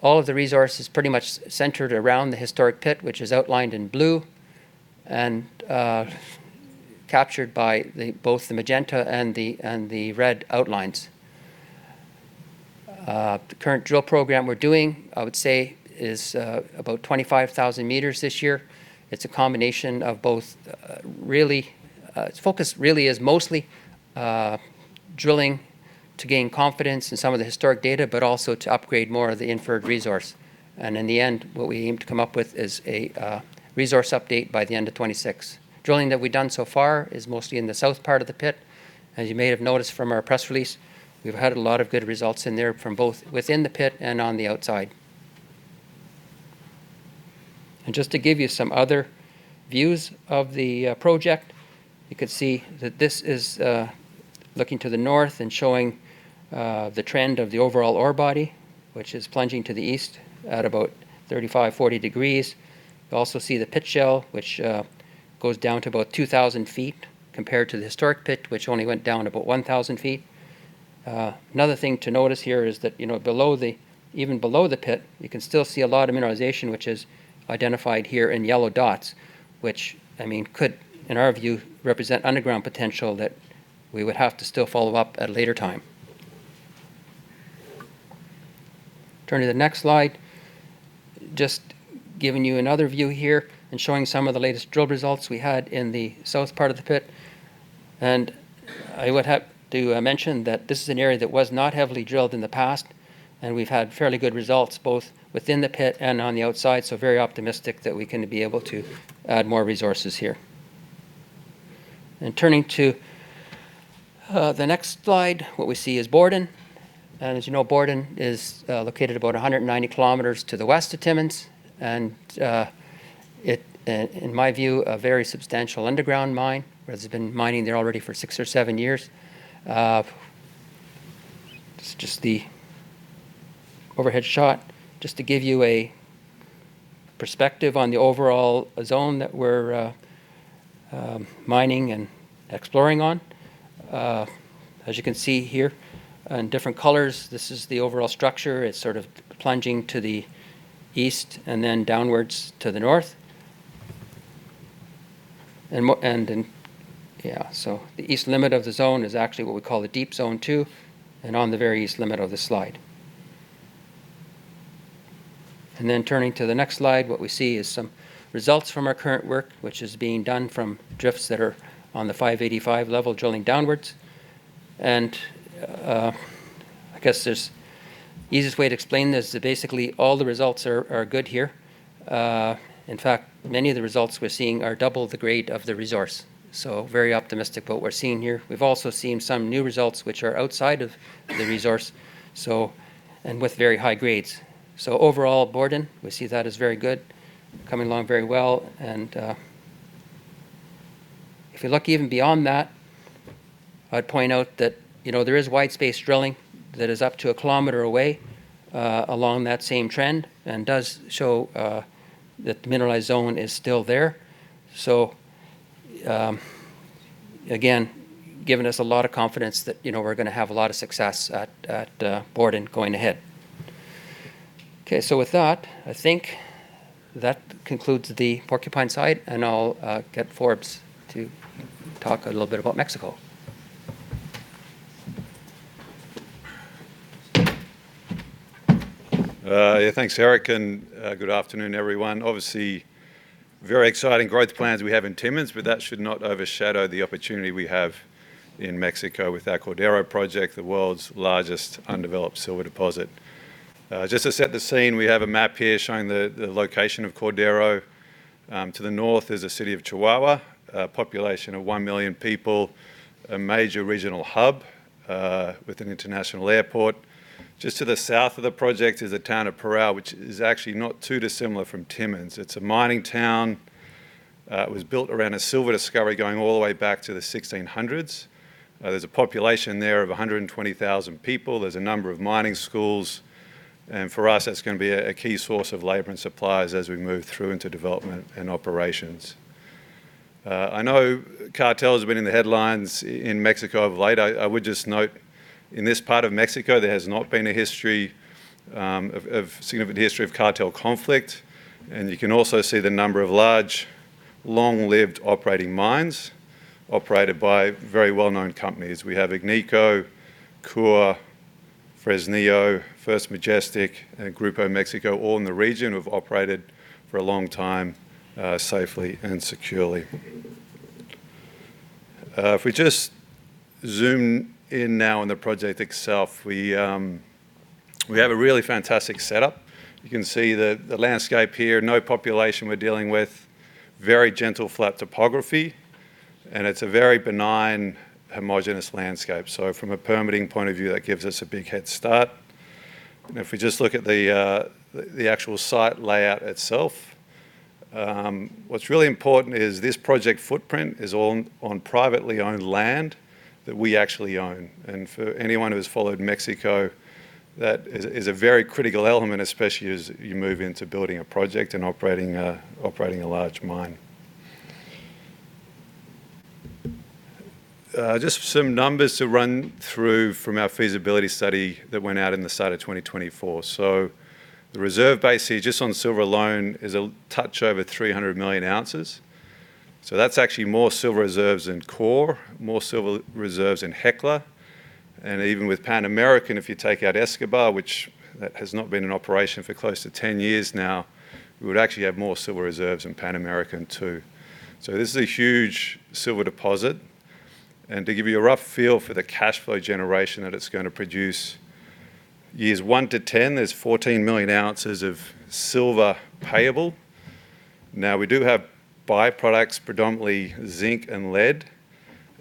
all of the resources pretty much centered around the historic pit, which is outlined in blue and captured by both the magenta and the red outlines. The current drill program we're doing, I would say is about 25,000 m this year. It's a combination of both. Its focus really is mostly drilling to gain confidence in some of the historic data, but also to upgrade more of the inferred resource. In the end, what we aim to come up with is a resource update by the end of 2026. Drilling that we've done so far is mostly in the south part of the pit. As you may have noticed from our press release, we've had a lot of good results in there from both within the pit and on the outside. Just to give you some other views of the project, you could see that this is looking to the north and showing the trend of the overall ore body, which is plunging to the east at about 35, 40 degrees. You also see the pit shell, which goes down to about 2,000 ft compared to the historic pit, which only went down about 1,000 ft. Another thing to notice here is that, you know, even below the pit, you can still see a lot of mineralization, which is identified here in yellow dots, which I mean, could, in our view, represent underground potential that we would have to still follow up at a later time. Turning to the next slide, just giving you another view here and showing some of the latest drill results we had in the south part of the pit. I would have to mention that this is an area that was not heavily drilled in the past, and we've had fairly good results both within the pit and on the outside. Very optimistic that we're gonna be able to add more resources here. Turning to the next slide, what we see is Borden. As you know, Borden is located about 190 km to the west of Timmins. In my view, a very substantial underground mine, as it's been mining there already for six or seven years. This is just the overhead shot just to give you a perspective on the overall zone that we're mining and exploring on. As you can see here in different colors, this is the overall structure. It's sort of plunging to the east and then downwards to the north. The east limit of the zone is actually what we call the Deep Zone 2, and on the very east limit of the slide. Turning to the next slide, what we see is some results from our current work, which is being done from drifts that are on the 585 level, drilling downwards. Easiest way to explain this is basically all the results are good here. In fact, many of the results we're seeing are double the grade of the resource. Very optimistic what we're seeing here. We've also seen some new results which are outside of the resource, so, and with very high grades. Overall, Borden, we see that as very good, coming along very well. If you look even beyond that, I'd point out that, you know, there is wide space drilling that is up to 1 km away along that same trend and does show that the mineralized zone is still there. Again, giving us a lot of confidence that, you know, we're gonna have a lot of success at Borden going ahead. With that, I think that concludes the Porcupine site, and I'll get Forbes to talk a little bit about Mexico. Yeah, thanks, Eric, and good afternoon, everyone. Obviously, very exciting growth plans we have in Timmins, but that should not overshadow the opportunity we have in Mexico with our Cordero project, the world's largest undeveloped silver deposit. Just to set the scene, we have a map here showing the location of Cordero. To the north is the city of Chihuahua, a population of 1 million people, a major regional hub, with an international airport. Just to the south of the project is the town of Parral, which is actually not too dissimilar from Timmins. It's a mining town. It was built around a silver discovery going all the way back to the sixteen hundreds. There's a population there of 120,000 people. There's a number of mining schools. For us, that's gonna be a key source of labor and suppliers as we move through into development and operations. I know cartel has been in the headlines in Mexico of late. I would just note in this part of Mexico, there has not been a history of significant history of cartel conflict. You can also see the number of large, long-lived operating mines operated by very well-known companies. We have Agnico, Coeur, Fresnillo, First Majestic, and Grupo México all in the region who've operated for a long time safely and securely. If we just zoom in now on the project itself, we have a really fantastic setup. You can see the landscape here, no population we're dealing with, very gentle flat topography. It's a very benign homogeneous landscape. From a permitting point of view, that gives us a big head start. If we just look at the actual site layout itself, what's really important is this project footprint is all on privately owned land that we actually own. For anyone who has followed Mexico, that is a very critical element, especially as you move into building a project and operating a large mine. Just some numbers to run through from our feasibility study that went out in the start of 2024. The reserve base here, just on silver alone, is a touch over 300 million ounces. That's actually more silver reserves than Coeur, more silver reserves than Hecla. Even with Pan American, if you take out Escobal, which that has not been in operation for close to 10 years now, we would actually have more silver reserves than Pan American. This is a huge silver deposit. To give you a rough feel for the cash flow generation that it's gonna produce, years one to 10, there's 14 million ounces of silver payable. Now, we do have by-products, predominantly zinc and lead.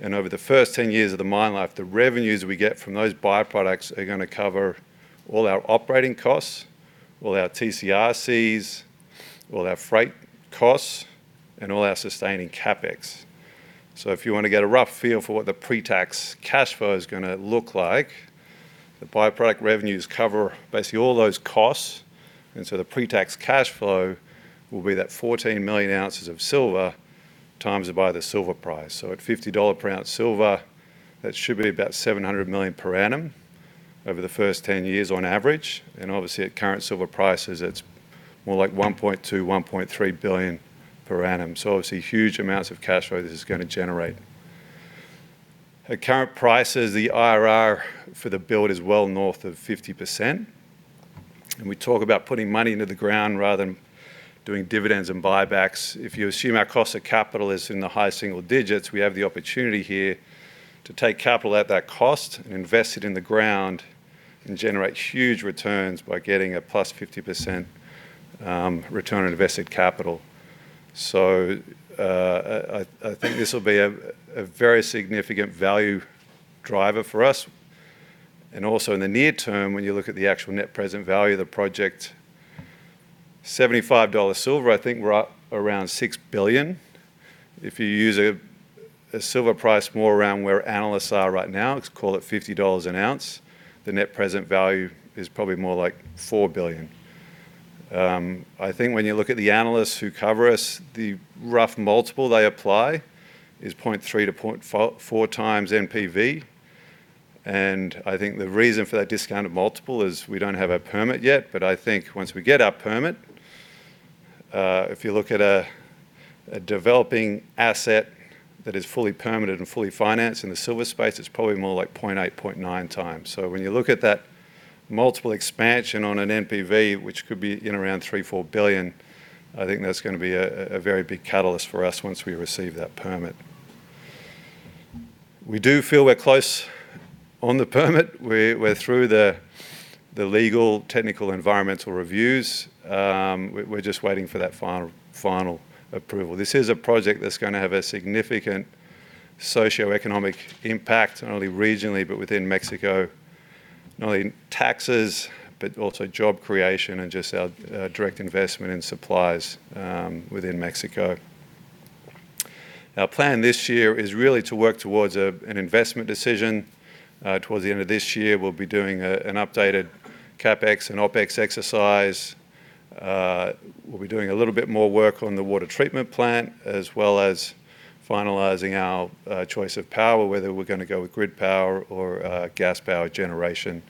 Over the first 10 years of the mine life, the revenues we get from those by-products are gonna cover all our operating costs, all our TCRCs, all our freight costs, and all our sustaining CapEx. If you wanna get a rough feel for what the pre-tax cash flow is gonna look like, the by-product revenues cover basically all those costs. The pre-tax cash flow will be that 14 million ounces of silver times by the silver price. At $50 per ounce silver, that should be about $700 million per annum over the first 10 years on average. Obviously, at current silver prices, it's more like $1.2 billion-$1.3 billion per annum. Obviously, huge amounts of cash flow this is gonna generate. At current prices, the IRR for the build is well north of 50%. We talk about putting money into the ground rather than doing dividends and buybacks. If you assume our cost of capital is in the high single digits, we have the opportunity here to take capital at that cost and invest it in the ground and generate huge returns by getting a +50% return on invested capital. I think this will be a very significant value driver for us. Also in the near term, when you look at the actual net present value of the project, $75 silver, I think we're up around $6 billion. If you use a silver price more around where analysts are right now, let's call it $50 an ounce, the net present value is probably more like $4 billion. I think when you look at the analysts who cover us, the rough multiple they apply is 0.3x to 0.4x NPV. I think the reason for that discounted multiple is we don't have our permit yet. I think once we get our permit, if you look at a developing asset that is fully permitted and fully financed in the silver space, it's probably more like 0.8x, 0.9x. When you look at that multiple expansion on an NPV, which could be in around $3 billion-$4 billion, I think that's going to be a very big catalyst for us once we receive that permit. We do feel we're close on the permit. We're through the legal, technical, environmental reviews. We're just waiting for that final approval. This is a project that's going to have a significant socioeconomic impact, not only regionally, but within Mexico. Not only in taxes, but also job creation and just our direct investment in supplies within Mexico. Our plan this year is really to work towards an investment decision. Towards the end of this year, we'll be doing an updated CapEx and OpEx exercise. We'll be doing a little bit more work on the water treatment plant, as well as finalizing our choice of power, whether we're gonna go with grid power or gas power generation.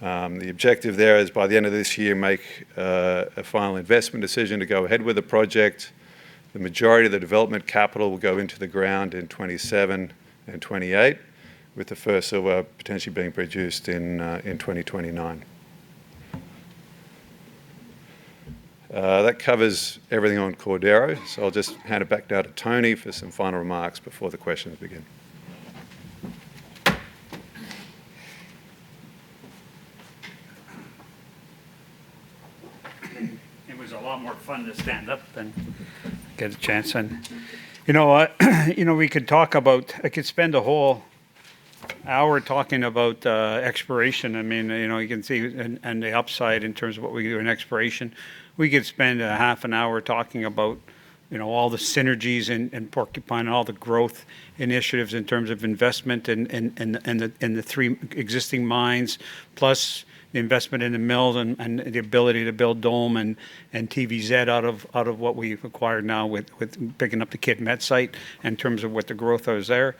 The objective there is by the end of this year, make a final investment decision to go ahead with the project. The majority of the development capital will go into the ground in 2027 and 2028, with the first silver potentially being produced in 2029. That covers everything on Cordero. I'll just hand it back now to Tony for some final remarks before the questions begin. It was a lot more fun to stand up than get a chance and. You know, you know, we could talk about. Hour talking about exploration. I mean, you know, you can see and the upside in terms of what we do in exploration. We could spend a half an hour talking about, you know, all the synergies in Porcupine, all the growth initiatives in terms of investment in the three existing mines, plus the investment in the mill and the ability to build Dome and TVZ out of what we've acquired now with picking up the Kidd Met site in terms of what the growth is there.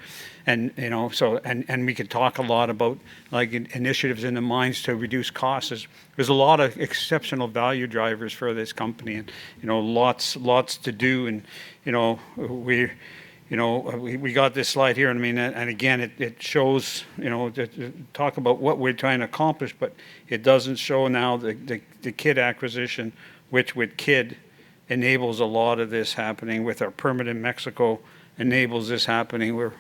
We could talk a lot about, like, initiatives in the mines to reduce costs. There's a lot of exceptional value drivers for this company and, you know, lots to do. You know, we got this slide here. I mean, and again, it shows, you know. Talk about what we're trying to accomplish, but it doesn't show now the Kidd acquisition, which with Kidd enables a lot of this happening, with our permit in Mexico enables this happening. We're,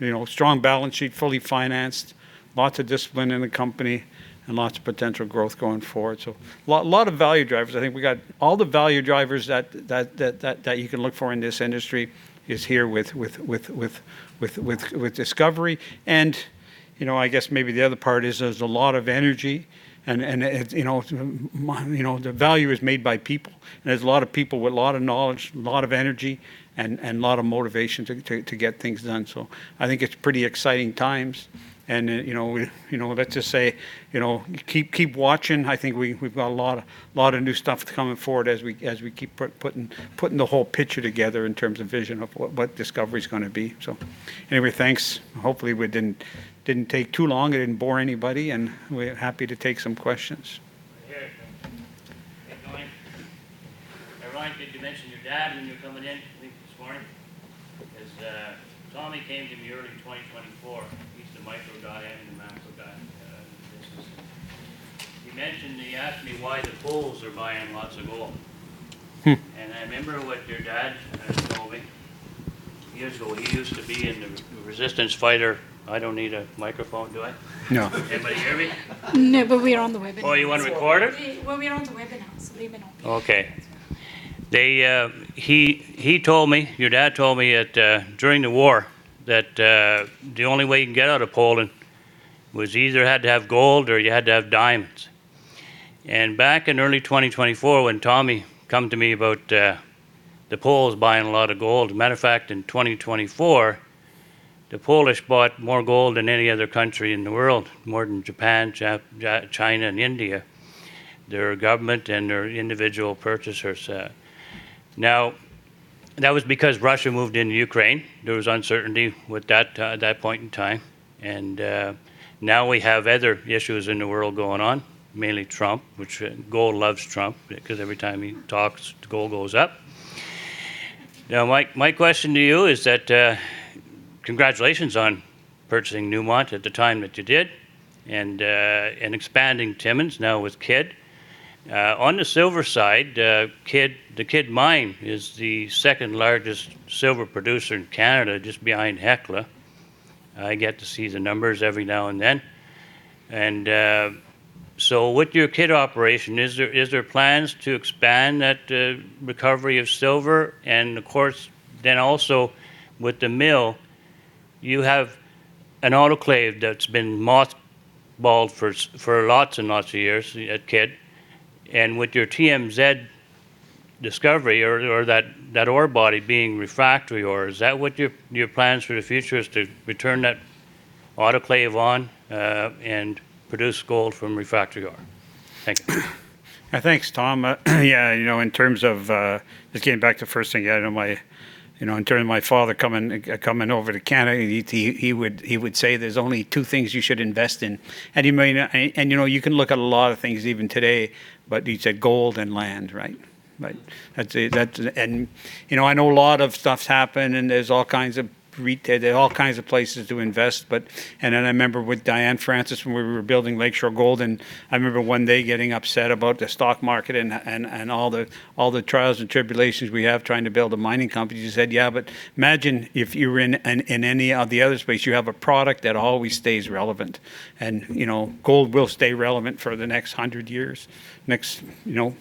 you know, strong balance sheet, fully financed, lots of discipline in the company, and lots of potential growth going forward. Lot of value drivers. I think we got all the value drivers that you can look for in this industry is here with Discovery. You know, I guess maybe the other part is there's a lot of energy and it, you know, the value is made by people. There's a lot of people with a lot of knowledge, a lot of energy and a lot of motivation to get things done. I think it's pretty exciting times. You know, we, you know, let's just say, you know, keep watching. I think we've got a lot of new stuff coming forward as we keep putting the whole picture together in terms of vision of what Discovery's gonna be. Anyway, thanks. Hopefully we didn't take too long and didn't bore anybody, and we're happy to take some questions. I hear you. Hey, Ryan. Hey, Ryan, did you mention your dad when you were coming in I think this morning? 'Cause Tommy came to me early 2024. He used to micro Diane in the map of that business. He asked me why the Poles are buying lots of gold. Hmm. I remember what your dad told me. Years ago, he used to be in the resistance fighter. I don't need a microphone, do I? No. Anybody hear me? No, we are on the webinar. Oh, you wanna record it? Well, we are on the webinar, so leave it on. Okay. They told me, your dad told me that during the war that the only way you can get out of Poland was either had to have gold or you had to have diamonds. Back in early 2024 when Tommy come to me about the Poles buying a lot of gold. Matter of fact, in 2024, the Polish bought more gold than any other country in the world, more than Japan, China and India, their government and their individual purchasers. That was because Russia moved into Ukraine. There was uncertainty with that at that point in time. Now we have other issues in the world going on, mainly Trump, which gold loves Trump because every time he talks, the gold goes up. My question to you is that, congratulations on purchasing Newmont at the time that you did and expanding Timmins now with Kidd. On the silver side, Kidd, the Kidd Mine is the second-largest silver producer in Canada just behind Hecla. I get to see the numbers every now and then. So with your Kidd operation, is there plans to expand that recovery of silver? Of course, then also with the mill, you have an autoclave that's been mothballed for lots and lots of years at Kidd. With your TVZ discovery or that ore body being refractory ore, is that what your plans for the future is to return that autoclave on and produce gold from refractory ore? Thank you. Thanks, Tom. You know, in terms of, just getting back to the first thing, you know, my, you know, in terms of my father coming over to Canada, he would say, there's only two things you should invest in, and he mean, and, you know, you can look at a lot of things even today, but he said gold and land, right? Right. That's, that. You know, I know a lot of stuff's happened, and there are all kinds of places to invest, but. Then I remember with Diane Francis when we were building Lake Shore Gold, and I remember one day getting upset about the stock market and all the trials and tribulations we have trying to build a mining company. She said, yeah, but imagine if you're in any of the other space, you have a product that always stays relevant. You know, gold will stay relevant for the next 100 years. Next, you know,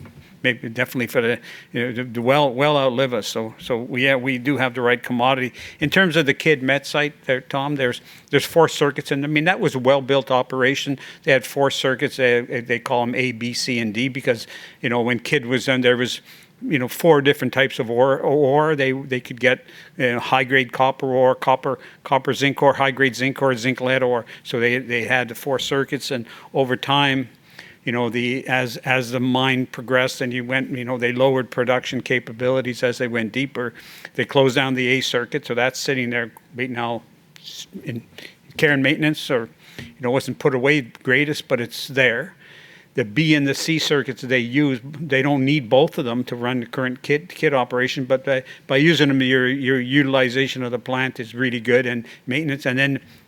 maybe definitely for the, you know, to well outlive us. we, yeah, we do have the right commodity. In terms of the Kidd Met site there, Tom, there's four circuits. I mean, that was a well-built operation. They had four circuits. they call them A, B, C, and D because, you know, when Kidd was done there was, you know, four different types of ore. They could get high-grade copper ore, copper zinc ore, high-grade zinc ore, zinc lead ore. they had the four circuits. Over time, you know, the as the mine progressed and you went, you know, they lowered production capabilities as they went deeper. They closed down the A circuit, so that's sitting there right now in care and maintenance or, you know, wasn't put away greatest, but it's there. The B and the C circuits, they use. They don't need both of them to run the current Kidd operation, but by using them, your utilization of the plant is really good and maintenance.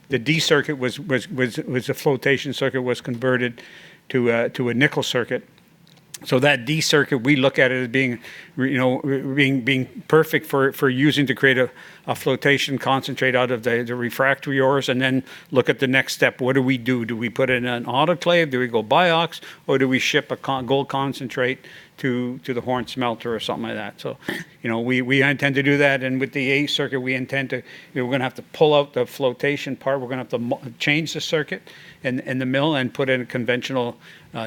The D circuit was a flotation circuit, was converted to a nickel circuit. That D circuit, we look at it as being you know, being perfect for using to create a flotation concentrate out of the refractory ores, and then look at the next step. What do we do? Do we put it in an autoclave? Do we go BIOX? Or do we ship a con-gold concentrate to the Horne Smelter or something like that? You know, we intend to do that, and with the A circuit, we intend to. You know, we're gonna have to pull out the flotation part, we're gonna have to change the circuit in the mill and put in a conventional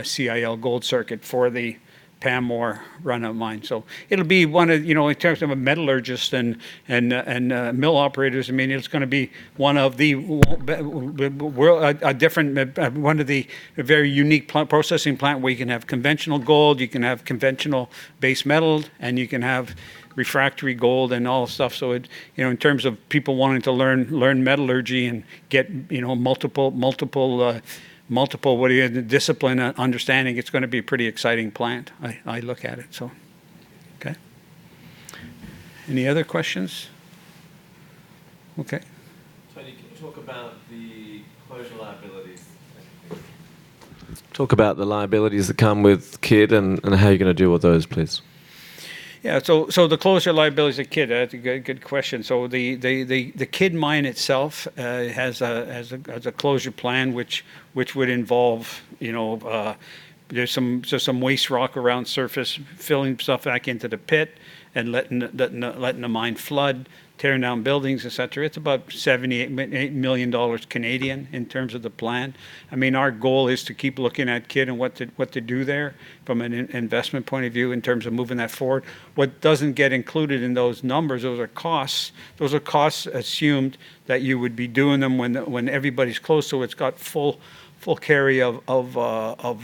CIL gold circuit for the Pamour run of mine. It'll be one of. You know, in terms of a metallurgist and mill operators, I mean, it's gonna be one of the world. A different, one of the very unique plant, processing plant where you can have conventional gold, you can have conventional base metals, and you can have refractory gold and all the stuff. It, you know, in terms of people wanting to learn metallurgy and get, you know, multiple discipline understanding, it's gonna be a pretty exciting plant. I look at it. Okay. Any other questions? Okay. Tony, can you talk about the closure liabilities? Talk about the liabilities that come with Kidd and how you're gonna deal with those, please. Yeah. The closure liabilities at Kidd, that's a good question. The Kidd mine itself has a closure plan which would involve, you know, there's some waste rock around surface, filling stuff back into the pit and letting the mine flood, tearing down buildings, et cetera. It's about $78 million Canadian in terms of the plan. I mean, our goal is to keep looking at Kidd and what to do there from an investment point of view in terms of moving that forward. What doesn't get included in those numbers, those are costs. Those are costs assumed that you would be doing them when everybody's closed, so it's got full carry of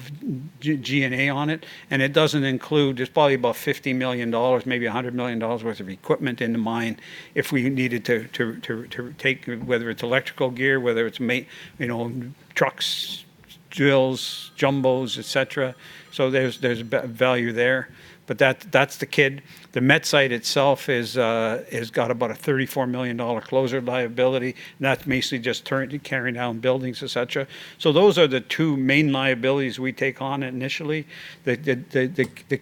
G&A on it, and it doesn't include, there's probably about $50 million, maybe $100 million worth of equipment in the mine if we needed to take, whether it's electrical gear, whether it's you know, trucks, drills, jumbos, et cetera. There's value there, but that's the Kidd. The Met site itself has got about a $34 million closure liability, and that's mostly just tearing down buildings, et cetera. Those are the two main liabilities we take on initially. The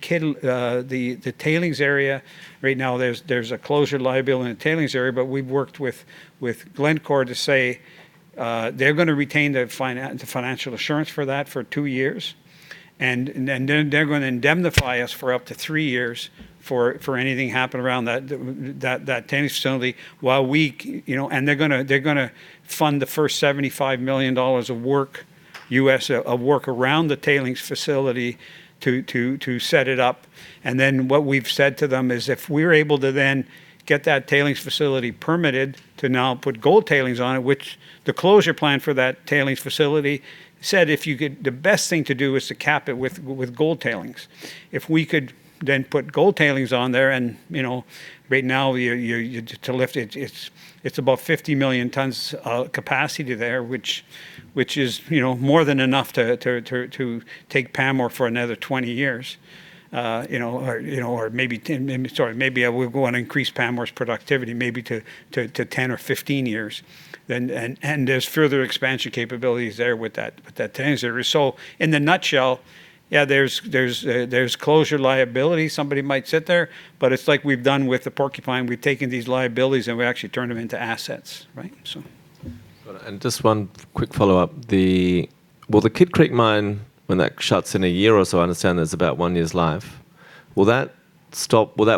Kidd, the tailings area, right now there's a closure liability in the tailings area, but we've worked with Glencore to say, they're gonna retain the financial assurance for that for two years and then they're gonna indemnify us for up to three years for anything happening around that tailings facility while we you know... They're gonna fund the first $75 million of work around the tailings facility to set it up. Then what we've said to them is if we're able to then get that tailings facility permitted to now put gold tailings on it, which the closure plan for that tailings facility said if you get. The best thing to do is to cap it with gold tailings. If we could then put gold tailings on there and, you know, right now you're to lift it's about 50 million tons of capacity there, which is, you know, more than enough to take Pamour for another 20 years, you know, or, you know, or maybe 10. Sorry, maybe we'll go on and increase Pamour's productivity maybe to 10 or 15 years. There's further expansion capabilities there with that tailings area. In a nutshell, yeah, there's closure liability. Somebody might sit there. It's like we've done with the Porcupine, we've taken these liabilities and we actually turn them into assets, right? Got it. Just one quick follow-up. Will the Kidd Creek mine, when that shuts in a year or so, I understand there's about one year's life, will that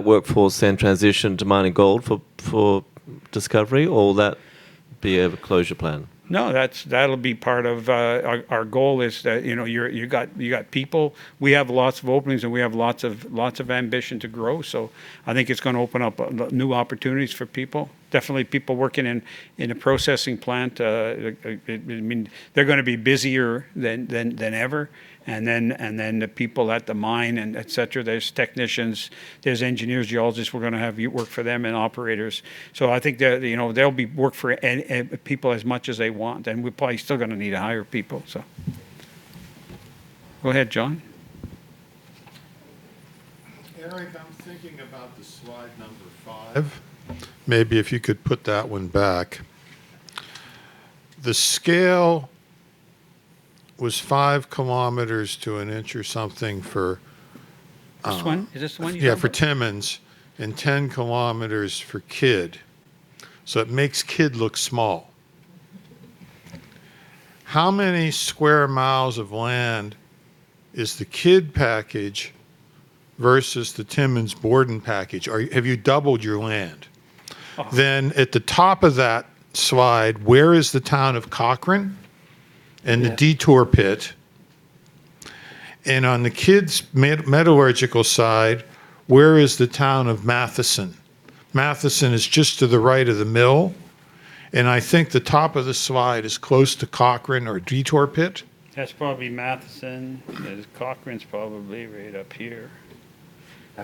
workforce then transition to mining gold for Discovery or will that be a closure plan? No, that's, that'll be part of. Our goal is that, you know, you got people. We have lots of openings and we have lots of ambition to grow, so I think it's gonna open up new opportunities for people. Definitely people working in a processing plant, I mean, they're gonna be busier than ever and then the people at the mine and et cetera, there's technicians, there's engineers, geologists, we're gonna have work for them and operators. I think, you know, there'll be work for people as much as they want, and we're probably still gonna need to hire people. Go ahead, John. Eric, I'm thinking about the slide number five. Maybe if you could put that one back. The scale was 5 m to an inch or something for. This one? Is this the one you're talking about? For Timmins, and 10 km for Kidd, so it makes Kidd look small. How many sq mi of land is the Kidd package versus the Timmins-Borden package? Have you doubled your land? At the top of that slide, where is the town of Cochrane and the Detour pit? On the Kidd's metallurgical side, where is the town of Matheson? Matheson is just to the right of the mill. I think the top of the slide is close to Cochrane or Detour pit. That's probably Matheson, and Cochrane's probably right up here.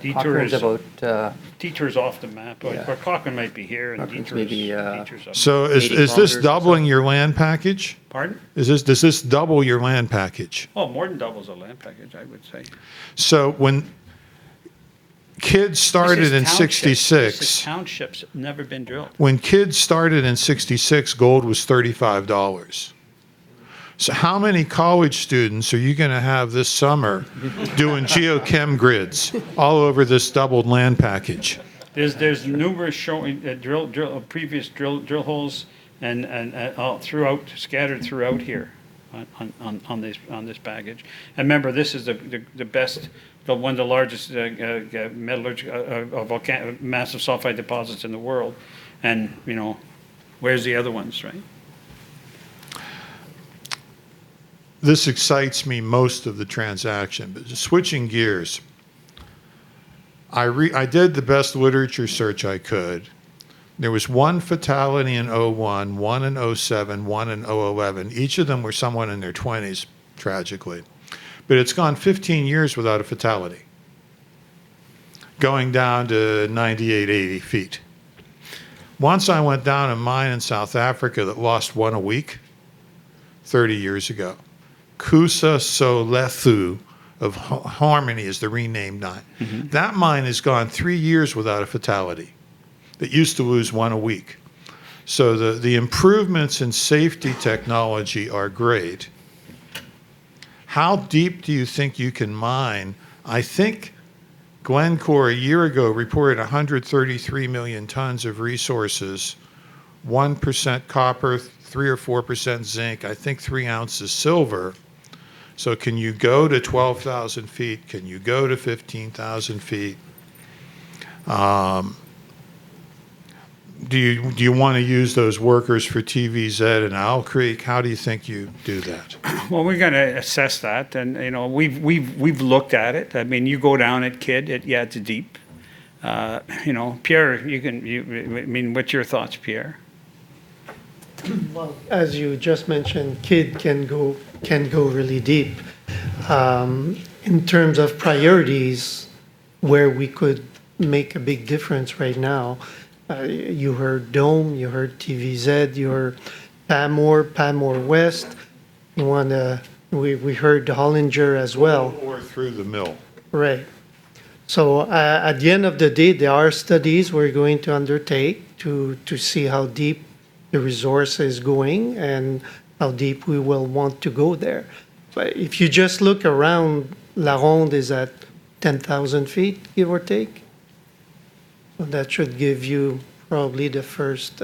Detour. Cochrane's about. Detour's off the map, but- Yeah Cochrane might be here. Cochrane's maybe. Detour's up here. Is this doubling your land package? Pardon? Does this double your land package? Oh, more than doubles the land package, I would say. Kidd started in 1966. This is townships. These are townships that have never been drilled. When Kidd started in 1966, gold was $35. How many college students are you gonna have this summer doing geochem grids all over this doubled land package? There's numerous showing previous drill holes and all throughout, scattered throughout here on this package. Remember, this is the best one of the largest metallurgical volcanogenic massive sulfide deposits in the world and, you know, where's the other ones, right? This excites me most of the transaction. Switching gears, I did the best literature search I could. There was one fatality in 2001, one in 2007, one in 2011. Each of them were someone in their 20s, tragically. It's gone 15 years without a fatality, going down to 98,080 ft. Once I went down a mine in South Africa that lost one a week 30 years ago. Kusasalethu of Harmony is the renamed mine. Mm-hmm. That mine has gone three years without a fatality. It used to lose one a week. The improvements in safety technology are great. How deep do you think you can mine? I think Glencore a year ago reported 133 million tons of resources, 1% copper, 3% or 4% zinc, I think 3 ounces silver. Can you go to 12,000 ft? Can you go to 15,000 ft? Do you wanna use those workers for TVZ and Owl Creek? How do you think you do that? Well, we're gonna assess that and, you know, we've looked at it. I mean, you go down at Kidd, yeah, it's deep. You know, Pierre, I mean, what's your thoughts, Pierre? Well, as you just mentioned, Kidd can go really deep. In terms of priorities, where we could make a big difference right now, you heard Dome, you heard TVZ, you heard Pamour West. We heard Hollinger as well. Through the mill. Right. At the end of the day, there are studies we're going to undertake to see how deep the resource is going and how deep we will want to go there. If you just look around, LaRonde is at 10,000 ft, give or take. That should give you probably the first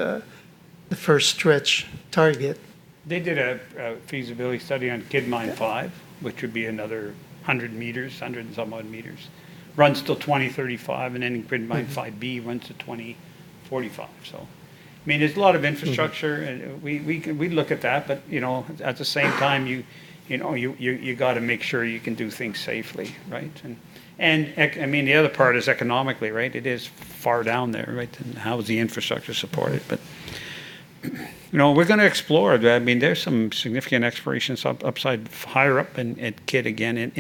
stretch target. They did a feasibility study on Kidd Creek mine. Yeah Which would be another 100 m, 100 and some odd m. Runs till 2035. Kidd Mine 5B runs to 2045. I mean, there's a lot of infrastructure- Mm-hmm And we can, we'd look at that. You know, at the same time, you know, you gotta make sure you can do things safely, right? Like, I mean, the other part is economically, right? It is far down there, right? How is the infrastructure supported? You know, we're gonna explore. I mean, there's some significant exploration upside higher up in, at Kidd again,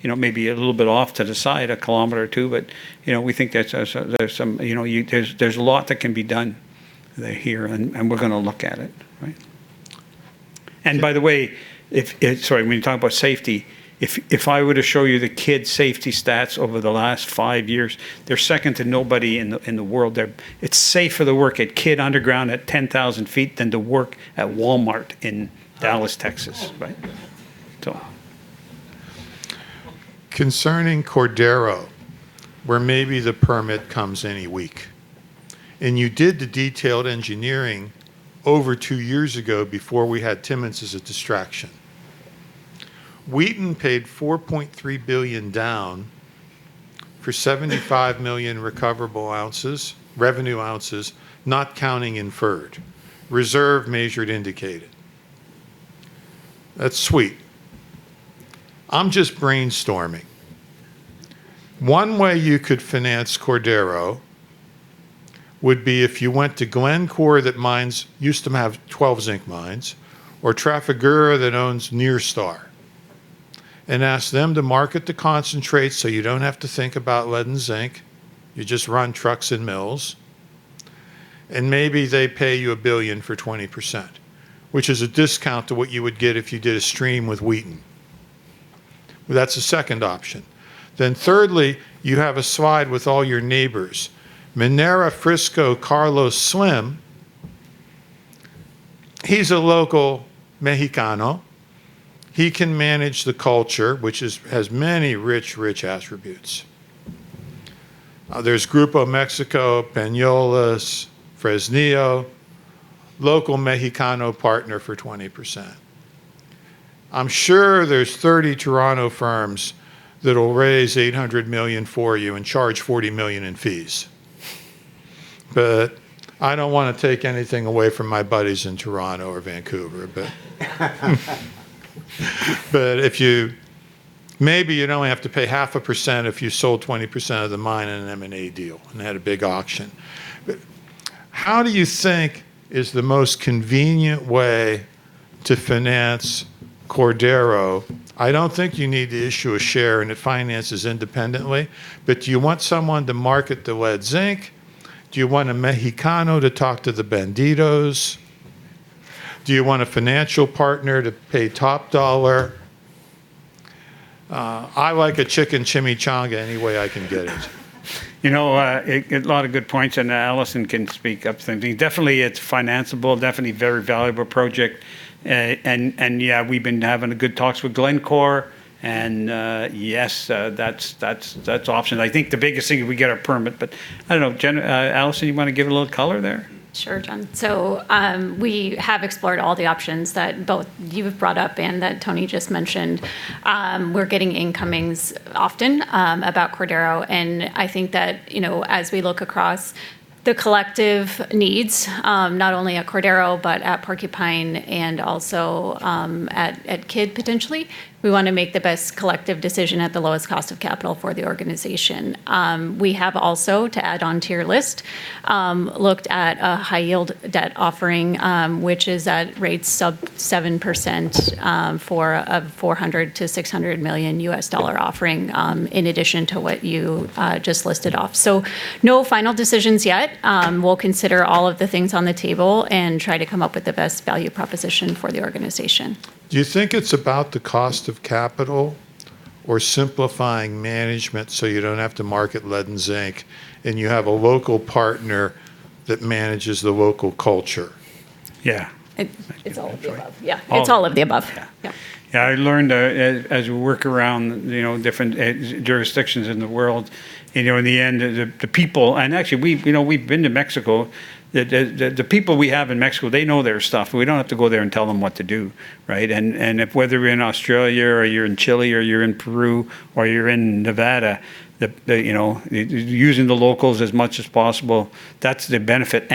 you know, maybe a little bit off to the side 1 km or 2 km. You know, we think there's a, there's some. You know, there's a lot that can be done there here, and we're gonna look at it, right? By the way, if, sorry, when you talk about safety, if I were to show you the Kidd safety stats over the last five years, they're second to nobody in the world. It's safer to work at Kidd underground at 10,000 ft than to work at Walmart in Dallas, Texas, right? So. Concerning Cordero, where maybe the permit comes any week, you did the detailed engineering over two years ago before we had Timmins as a distraction. Wheaton paid $4.3 billion down for 75 million recoverable ounces, revenue ounces, not counting inferred. Reserve measured indicated. That's sweet. I'm just brainstorming. One way you could finance Cordero would be if you went to Glencore that mines, used to have 12 zinc mines, or Trafigura that owns Nyrstar, and ask them to market the concentrate so you don't have to think about lead and zinc. You just run trucks and mills. Maybe they pay you $1 billion for 20%, which is a discount to what you would get if you did a stream with Wheaton. That's the second option. Thirdly, you have a slide with all your neighbors. Minera Frisco, Carlos Slim, he's a local Mexicano. He can manage the culture, has many rich attributes. There's Grupo México, Peñoles, Fresnillo, local Mexicano partner for 20%. I'm sure there's 30 Toronto firms that'll raise $800 million for you and charge $40 million in fees. I don't wanna take anything away from my buddies in Toronto or Vancouver. If you, maybe you'd only have to pay 0.5% if you sold 20% of the mine in an M&A deal and had a big auction. How do you think is the most convenient way to finance Cordero? I don't think you need to issue a share and it finances independently. Do you want someone to market the lead zinc? Do you want a Mexicano to talk to the Bandidos? Do you want a financial partner to pay top dollar? I like a chicken chimichanga any way I can get it. You know, a lot of good points, and Alison can speak up something. Definitely it's financeable, definitely very valuable project. Yeah, we've been having good talks with Glencore, and yes, that's option. I think the biggest thing is we get a permit. I don't know, Alison, you wanna give a little color there? Sure, John. We have explored all the options that both you have brought up and that Tony just mentioned. We're getting incomings often about Cordero, and I think that, you know, as we look across the collective needs, not only at Cordero, but at Porcupine and also at Kidd potentially, we wanna make the best collective decision at the lowest cost of capital for the organization. We have also, to add onto your list, looked at a high-yield debt offering, which is at rates sub 7%, for a $400 million-$600 million offering, in addition to what you just listed off. No final decisions yet. We'll consider all of the things on the table and try to come up with the best value proposition for the organization. Do you think it's about the cost of capital or simplifying management so you don't have to market lead and zinc, and you have a local partner that manages the local culture? Yeah. It's all of the above. Yeah. All- It's all of the above. Yeah. Yeah. Yeah, I learned as we work around, you know, different jurisdictions in the world, you know, in the end, the people. Actually, we've, you know, we've been to Mexico. The people we have in Mexico, they know their stuff. We don't have to go there and tell them what to do, right? If whether you're in Australia or you're in Chile or you're in Peru or you're in Nevada, you know, using the locals as much as possible, that's the benefit.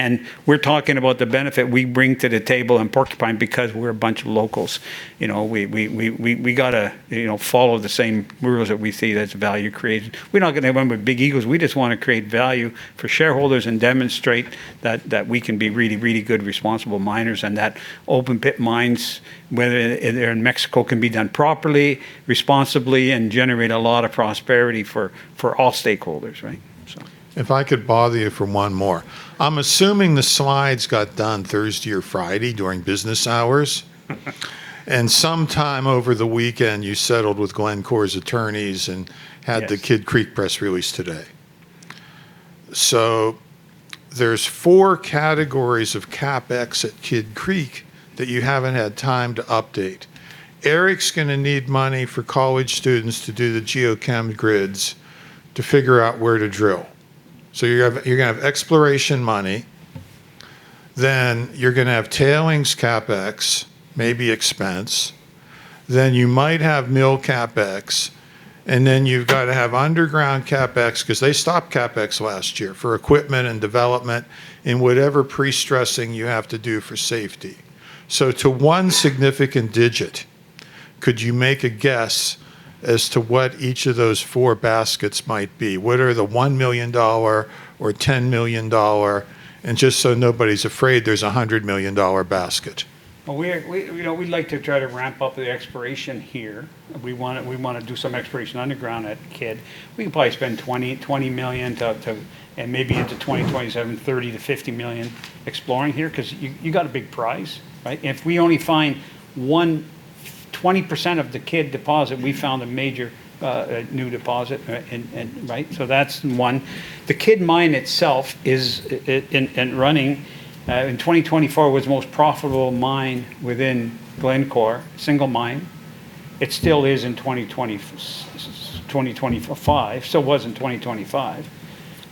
We're talking about the benefit we bring to the table in Porcupine because we're a bunch of locals. You know, we gotta, you know, follow the same rules that we see that's value created. We're not gonna run with big egos. We just wanna create value for shareholders and demonstrate that we can be really good responsible miners, and that open-pit mines, whether, they're in Mexico, can be done properly, responsibly, and generate a lot of prosperity for all stakeholders, right? If I could bother you for one more. I'm assuming the slides got done Thursday or Friday during business hours. Sometime over the weekend, you settled with Glencore's attorneys. Yes The Kidd Creek press release today. There's four categories of CapEx at Kidd Creek that you haven't had time to update. Eric's gonna need money for college students to do the geochem grids to figure out where to drill. You're gonna have exploration money, then you're gonna have tailings CapEx, maybe expense, then you might have mill CapEx, and then you've gotta have underground CapEx because they stopped CapEx last year for equipment and development and whatever pre-stressing you have to do for safety. To one significant digit, could you make a guess as to what each of those four baskets might be? What are the $1 million or $10 million, and just so nobody's afraid, there's a $100 million basket. Well, we, you know, we'd like to try to ramp up the exploration here. We wanna do some exploration underground at Kidd. We can probably spend $20 million to, and maybe into 2027, $30 million-$50 million exploring here 'cause you got a big prize, right? If we only find one 20% of the Kidd deposit, we found a major new deposit, and, right? That's one. The Kidd Mine itself is in running in 2024 was the most profitable mine within Glencore, single mine. It still is in 2025. Still was in 2025.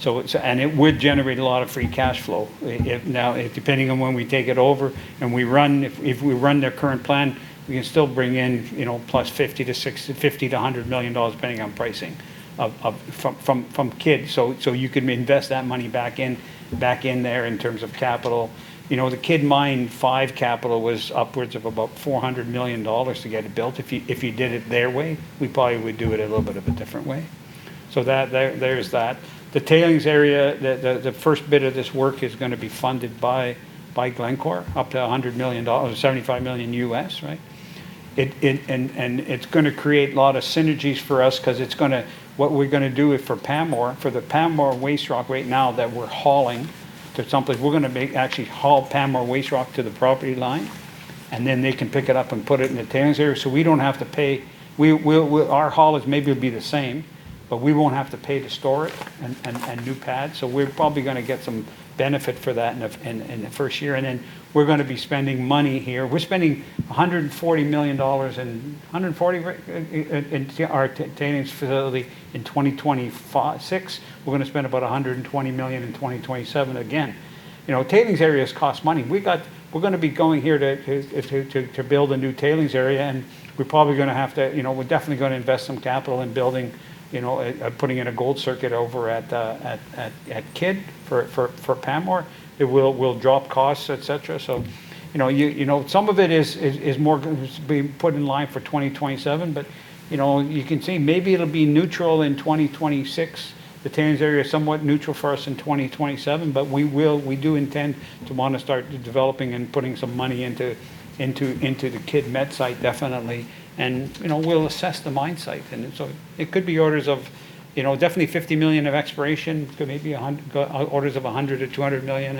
It's, it would generate a lot of free cash flow. If, now, depending on when we take it over and we run, if we run their current plan, we can still bring in, you know, plus $50 million-$100 million depending on pricing of, from Kidd. You can invest that money back in there in terms of capital. You know, the Kidd Mine 5 capital was upwards of about $400 million to get it built if you did it their way. We probably would do it a little bit of a different way. There is that. The tailings area, the first bit of this work is going to be funded by Glencore, up to $100 million, $75 million USD, right? It's going to create a lot of synergies for us 'cause it's going to, what we're gonna do for Pamour, for the Pamour waste rock right now that we're hauling to someplace, actually haul Pamour waste rock to the property line, then they can pick it up and put it in the tailings area. We don't have to pay. Our haulage maybe will be the same, but we won't have to pay to store it and do pads. We're probably gonna get some benefit for that in the first year, then we're gonna be spending money here. We're spending $140 million in our tailings facility in 2026. We're gonna spend about $120 million in 2027 again. You know, tailings areas cost money. We're gonna be going here to build a new tailings area, and we're probably gonna have to. You know, we're definitely gonna invest some capital in building, you know, putting in a gold circuit over at Kidd for Pamour. It will drop costs, et cetera. You know, you know, some of it is more being put in line for 2027, but, you know, you can see maybe it'll be neutral in 2026. The tailings area is somewhat neutral for us in 2027, but we will. We do intend to wanna start developing and putting some money into the Kidd met site definitely. You know, we'll assess the mine site. It could be orders of, you know, definitely $50 million of exploration, could maybe orders of $100 million to $200 million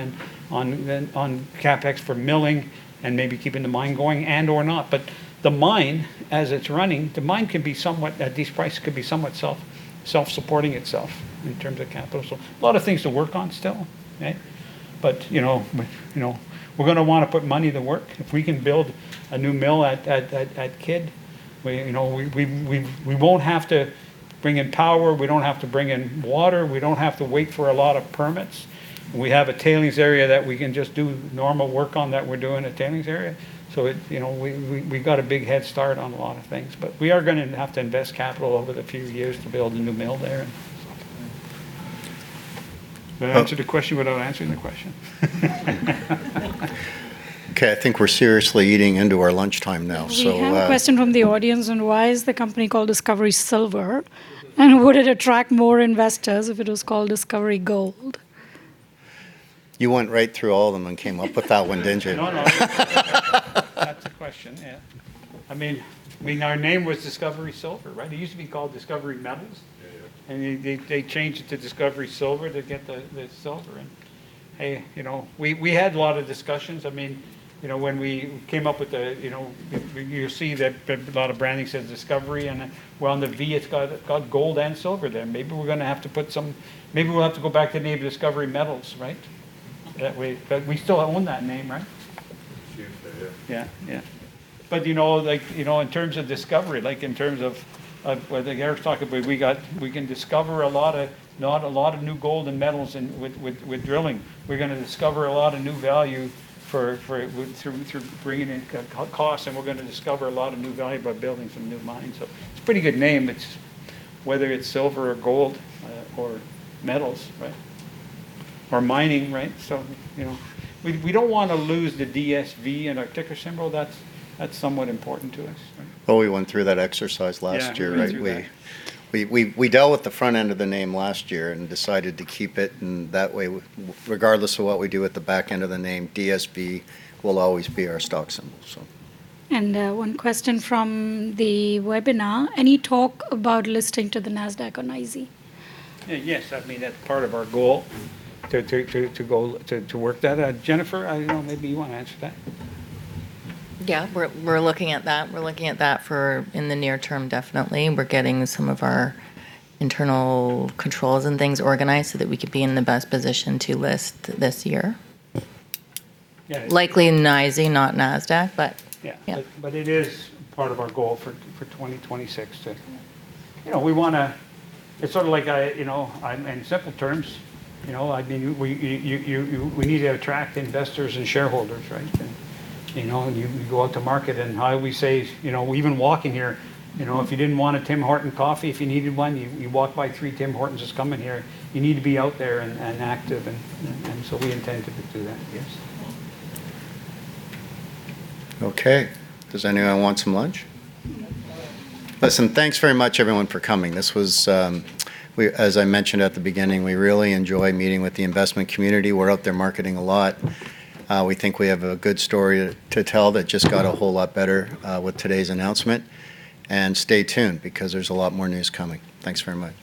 on CapEx for milling and maybe keeping the mine going and/or not. The mine, as it's running, the mine can be somewhat, at this price, could be somewhat self-supporting itself in terms of capital. A lot of things to work on still, right? You know, we, you know, we're gonna wanna put money to work. If we can build a new mill at Kidd, we, you know, we won't have to bring in power, we don't have to bring in water, we don't have to wait for a lot of permits. We have a tailings area that we can just do normal work on that we're doing at tailings area. It, you know, we got a big head start on a lot of things. We are gonna have to invest capital over the few years to build a new mill there. Did I answer the question without answering the question? Okay, I think we're seriously eating into our lunchtime now. We have a question from the audience on why is the company called Discovery Silver. Would it attract more investors if it was called Discovery Gold? You went right through all of them and came up with that one, didn't you? No, no. That's a question, yeah. I mean, our name was Discovery Silver, right? It used to be called Discovery Metals. Yeah, yeah. They changed it to Discovery Silver to get the silver. Hey, you know, we had a lot of discussions. I mean, you know, when we came up with the, you know. You'll see that a lot of branding says Discovery, and then well, on the V it's got gold and silver there. Maybe we're gonna have to put some. Maybe we'll have to go back to maybe Discovery Metals, right? That way. We still own that name, right? I'm sure we do. Yeah, yeah. You know, like, you know, in terms of Discovery, like, in terms of, well, Eric's talking, we got. We can discover not a lot of new gold and metals with drilling. We're gonna discover a lot of new value for through bringing in costs, and we're gonna discover a lot of new value by building some new mines. It's a pretty good name. It's. Whether it's silver or gold or metals, right? Or mining, right? You know. We don't wanna lose the DSV in our ticker symbol. That's somewhat important to us, right? Well, we went through that exercise last year. Yeah, we did that. Right? We dealt with the front end of the name last year and decided to keep it. That way regardless of what we do with the back end of the name, DSV will always be our stock symbol, so. One question from the webinar. Any talk about listing to the Nasdaq or NYSE? Yes. I mean, that's part of our goal, to work that. Jennifer, I don't know, maybe you wanna answer that. Yeah. We're looking at that. We're looking at that for in the near term definitely. We're getting some of our internal controls and things organized so that we could be in the best position to list this year. Yeah. Likely NYSE, not Nasdaq, but- Yeah Yeah. It is part of our goal for 2026 to. You know, we wanna. It's sort of like I, you know, I'm in simple terms, you know, I mean, we need to attract investors and shareholders, right? You know, and you go out to market, and how we say, you know, even walking here, you know, if you didn't want a Tim Hortons coffee if you needed one, you walked by three Tim Hortons just coming here. You need to be out there and active, and so we intend to do that, yes. Okay. Does anyone want some lunch? Listen, thanks very much everyone for coming. This was. As I mentioned at the beginning, we really enjoy meeting with the investment community. We're out there marketing a lot. We think we have a good story to tell that just got a whole lot better with today's announcement. Stay tuned, because there's a lot more news coming. Thanks very much.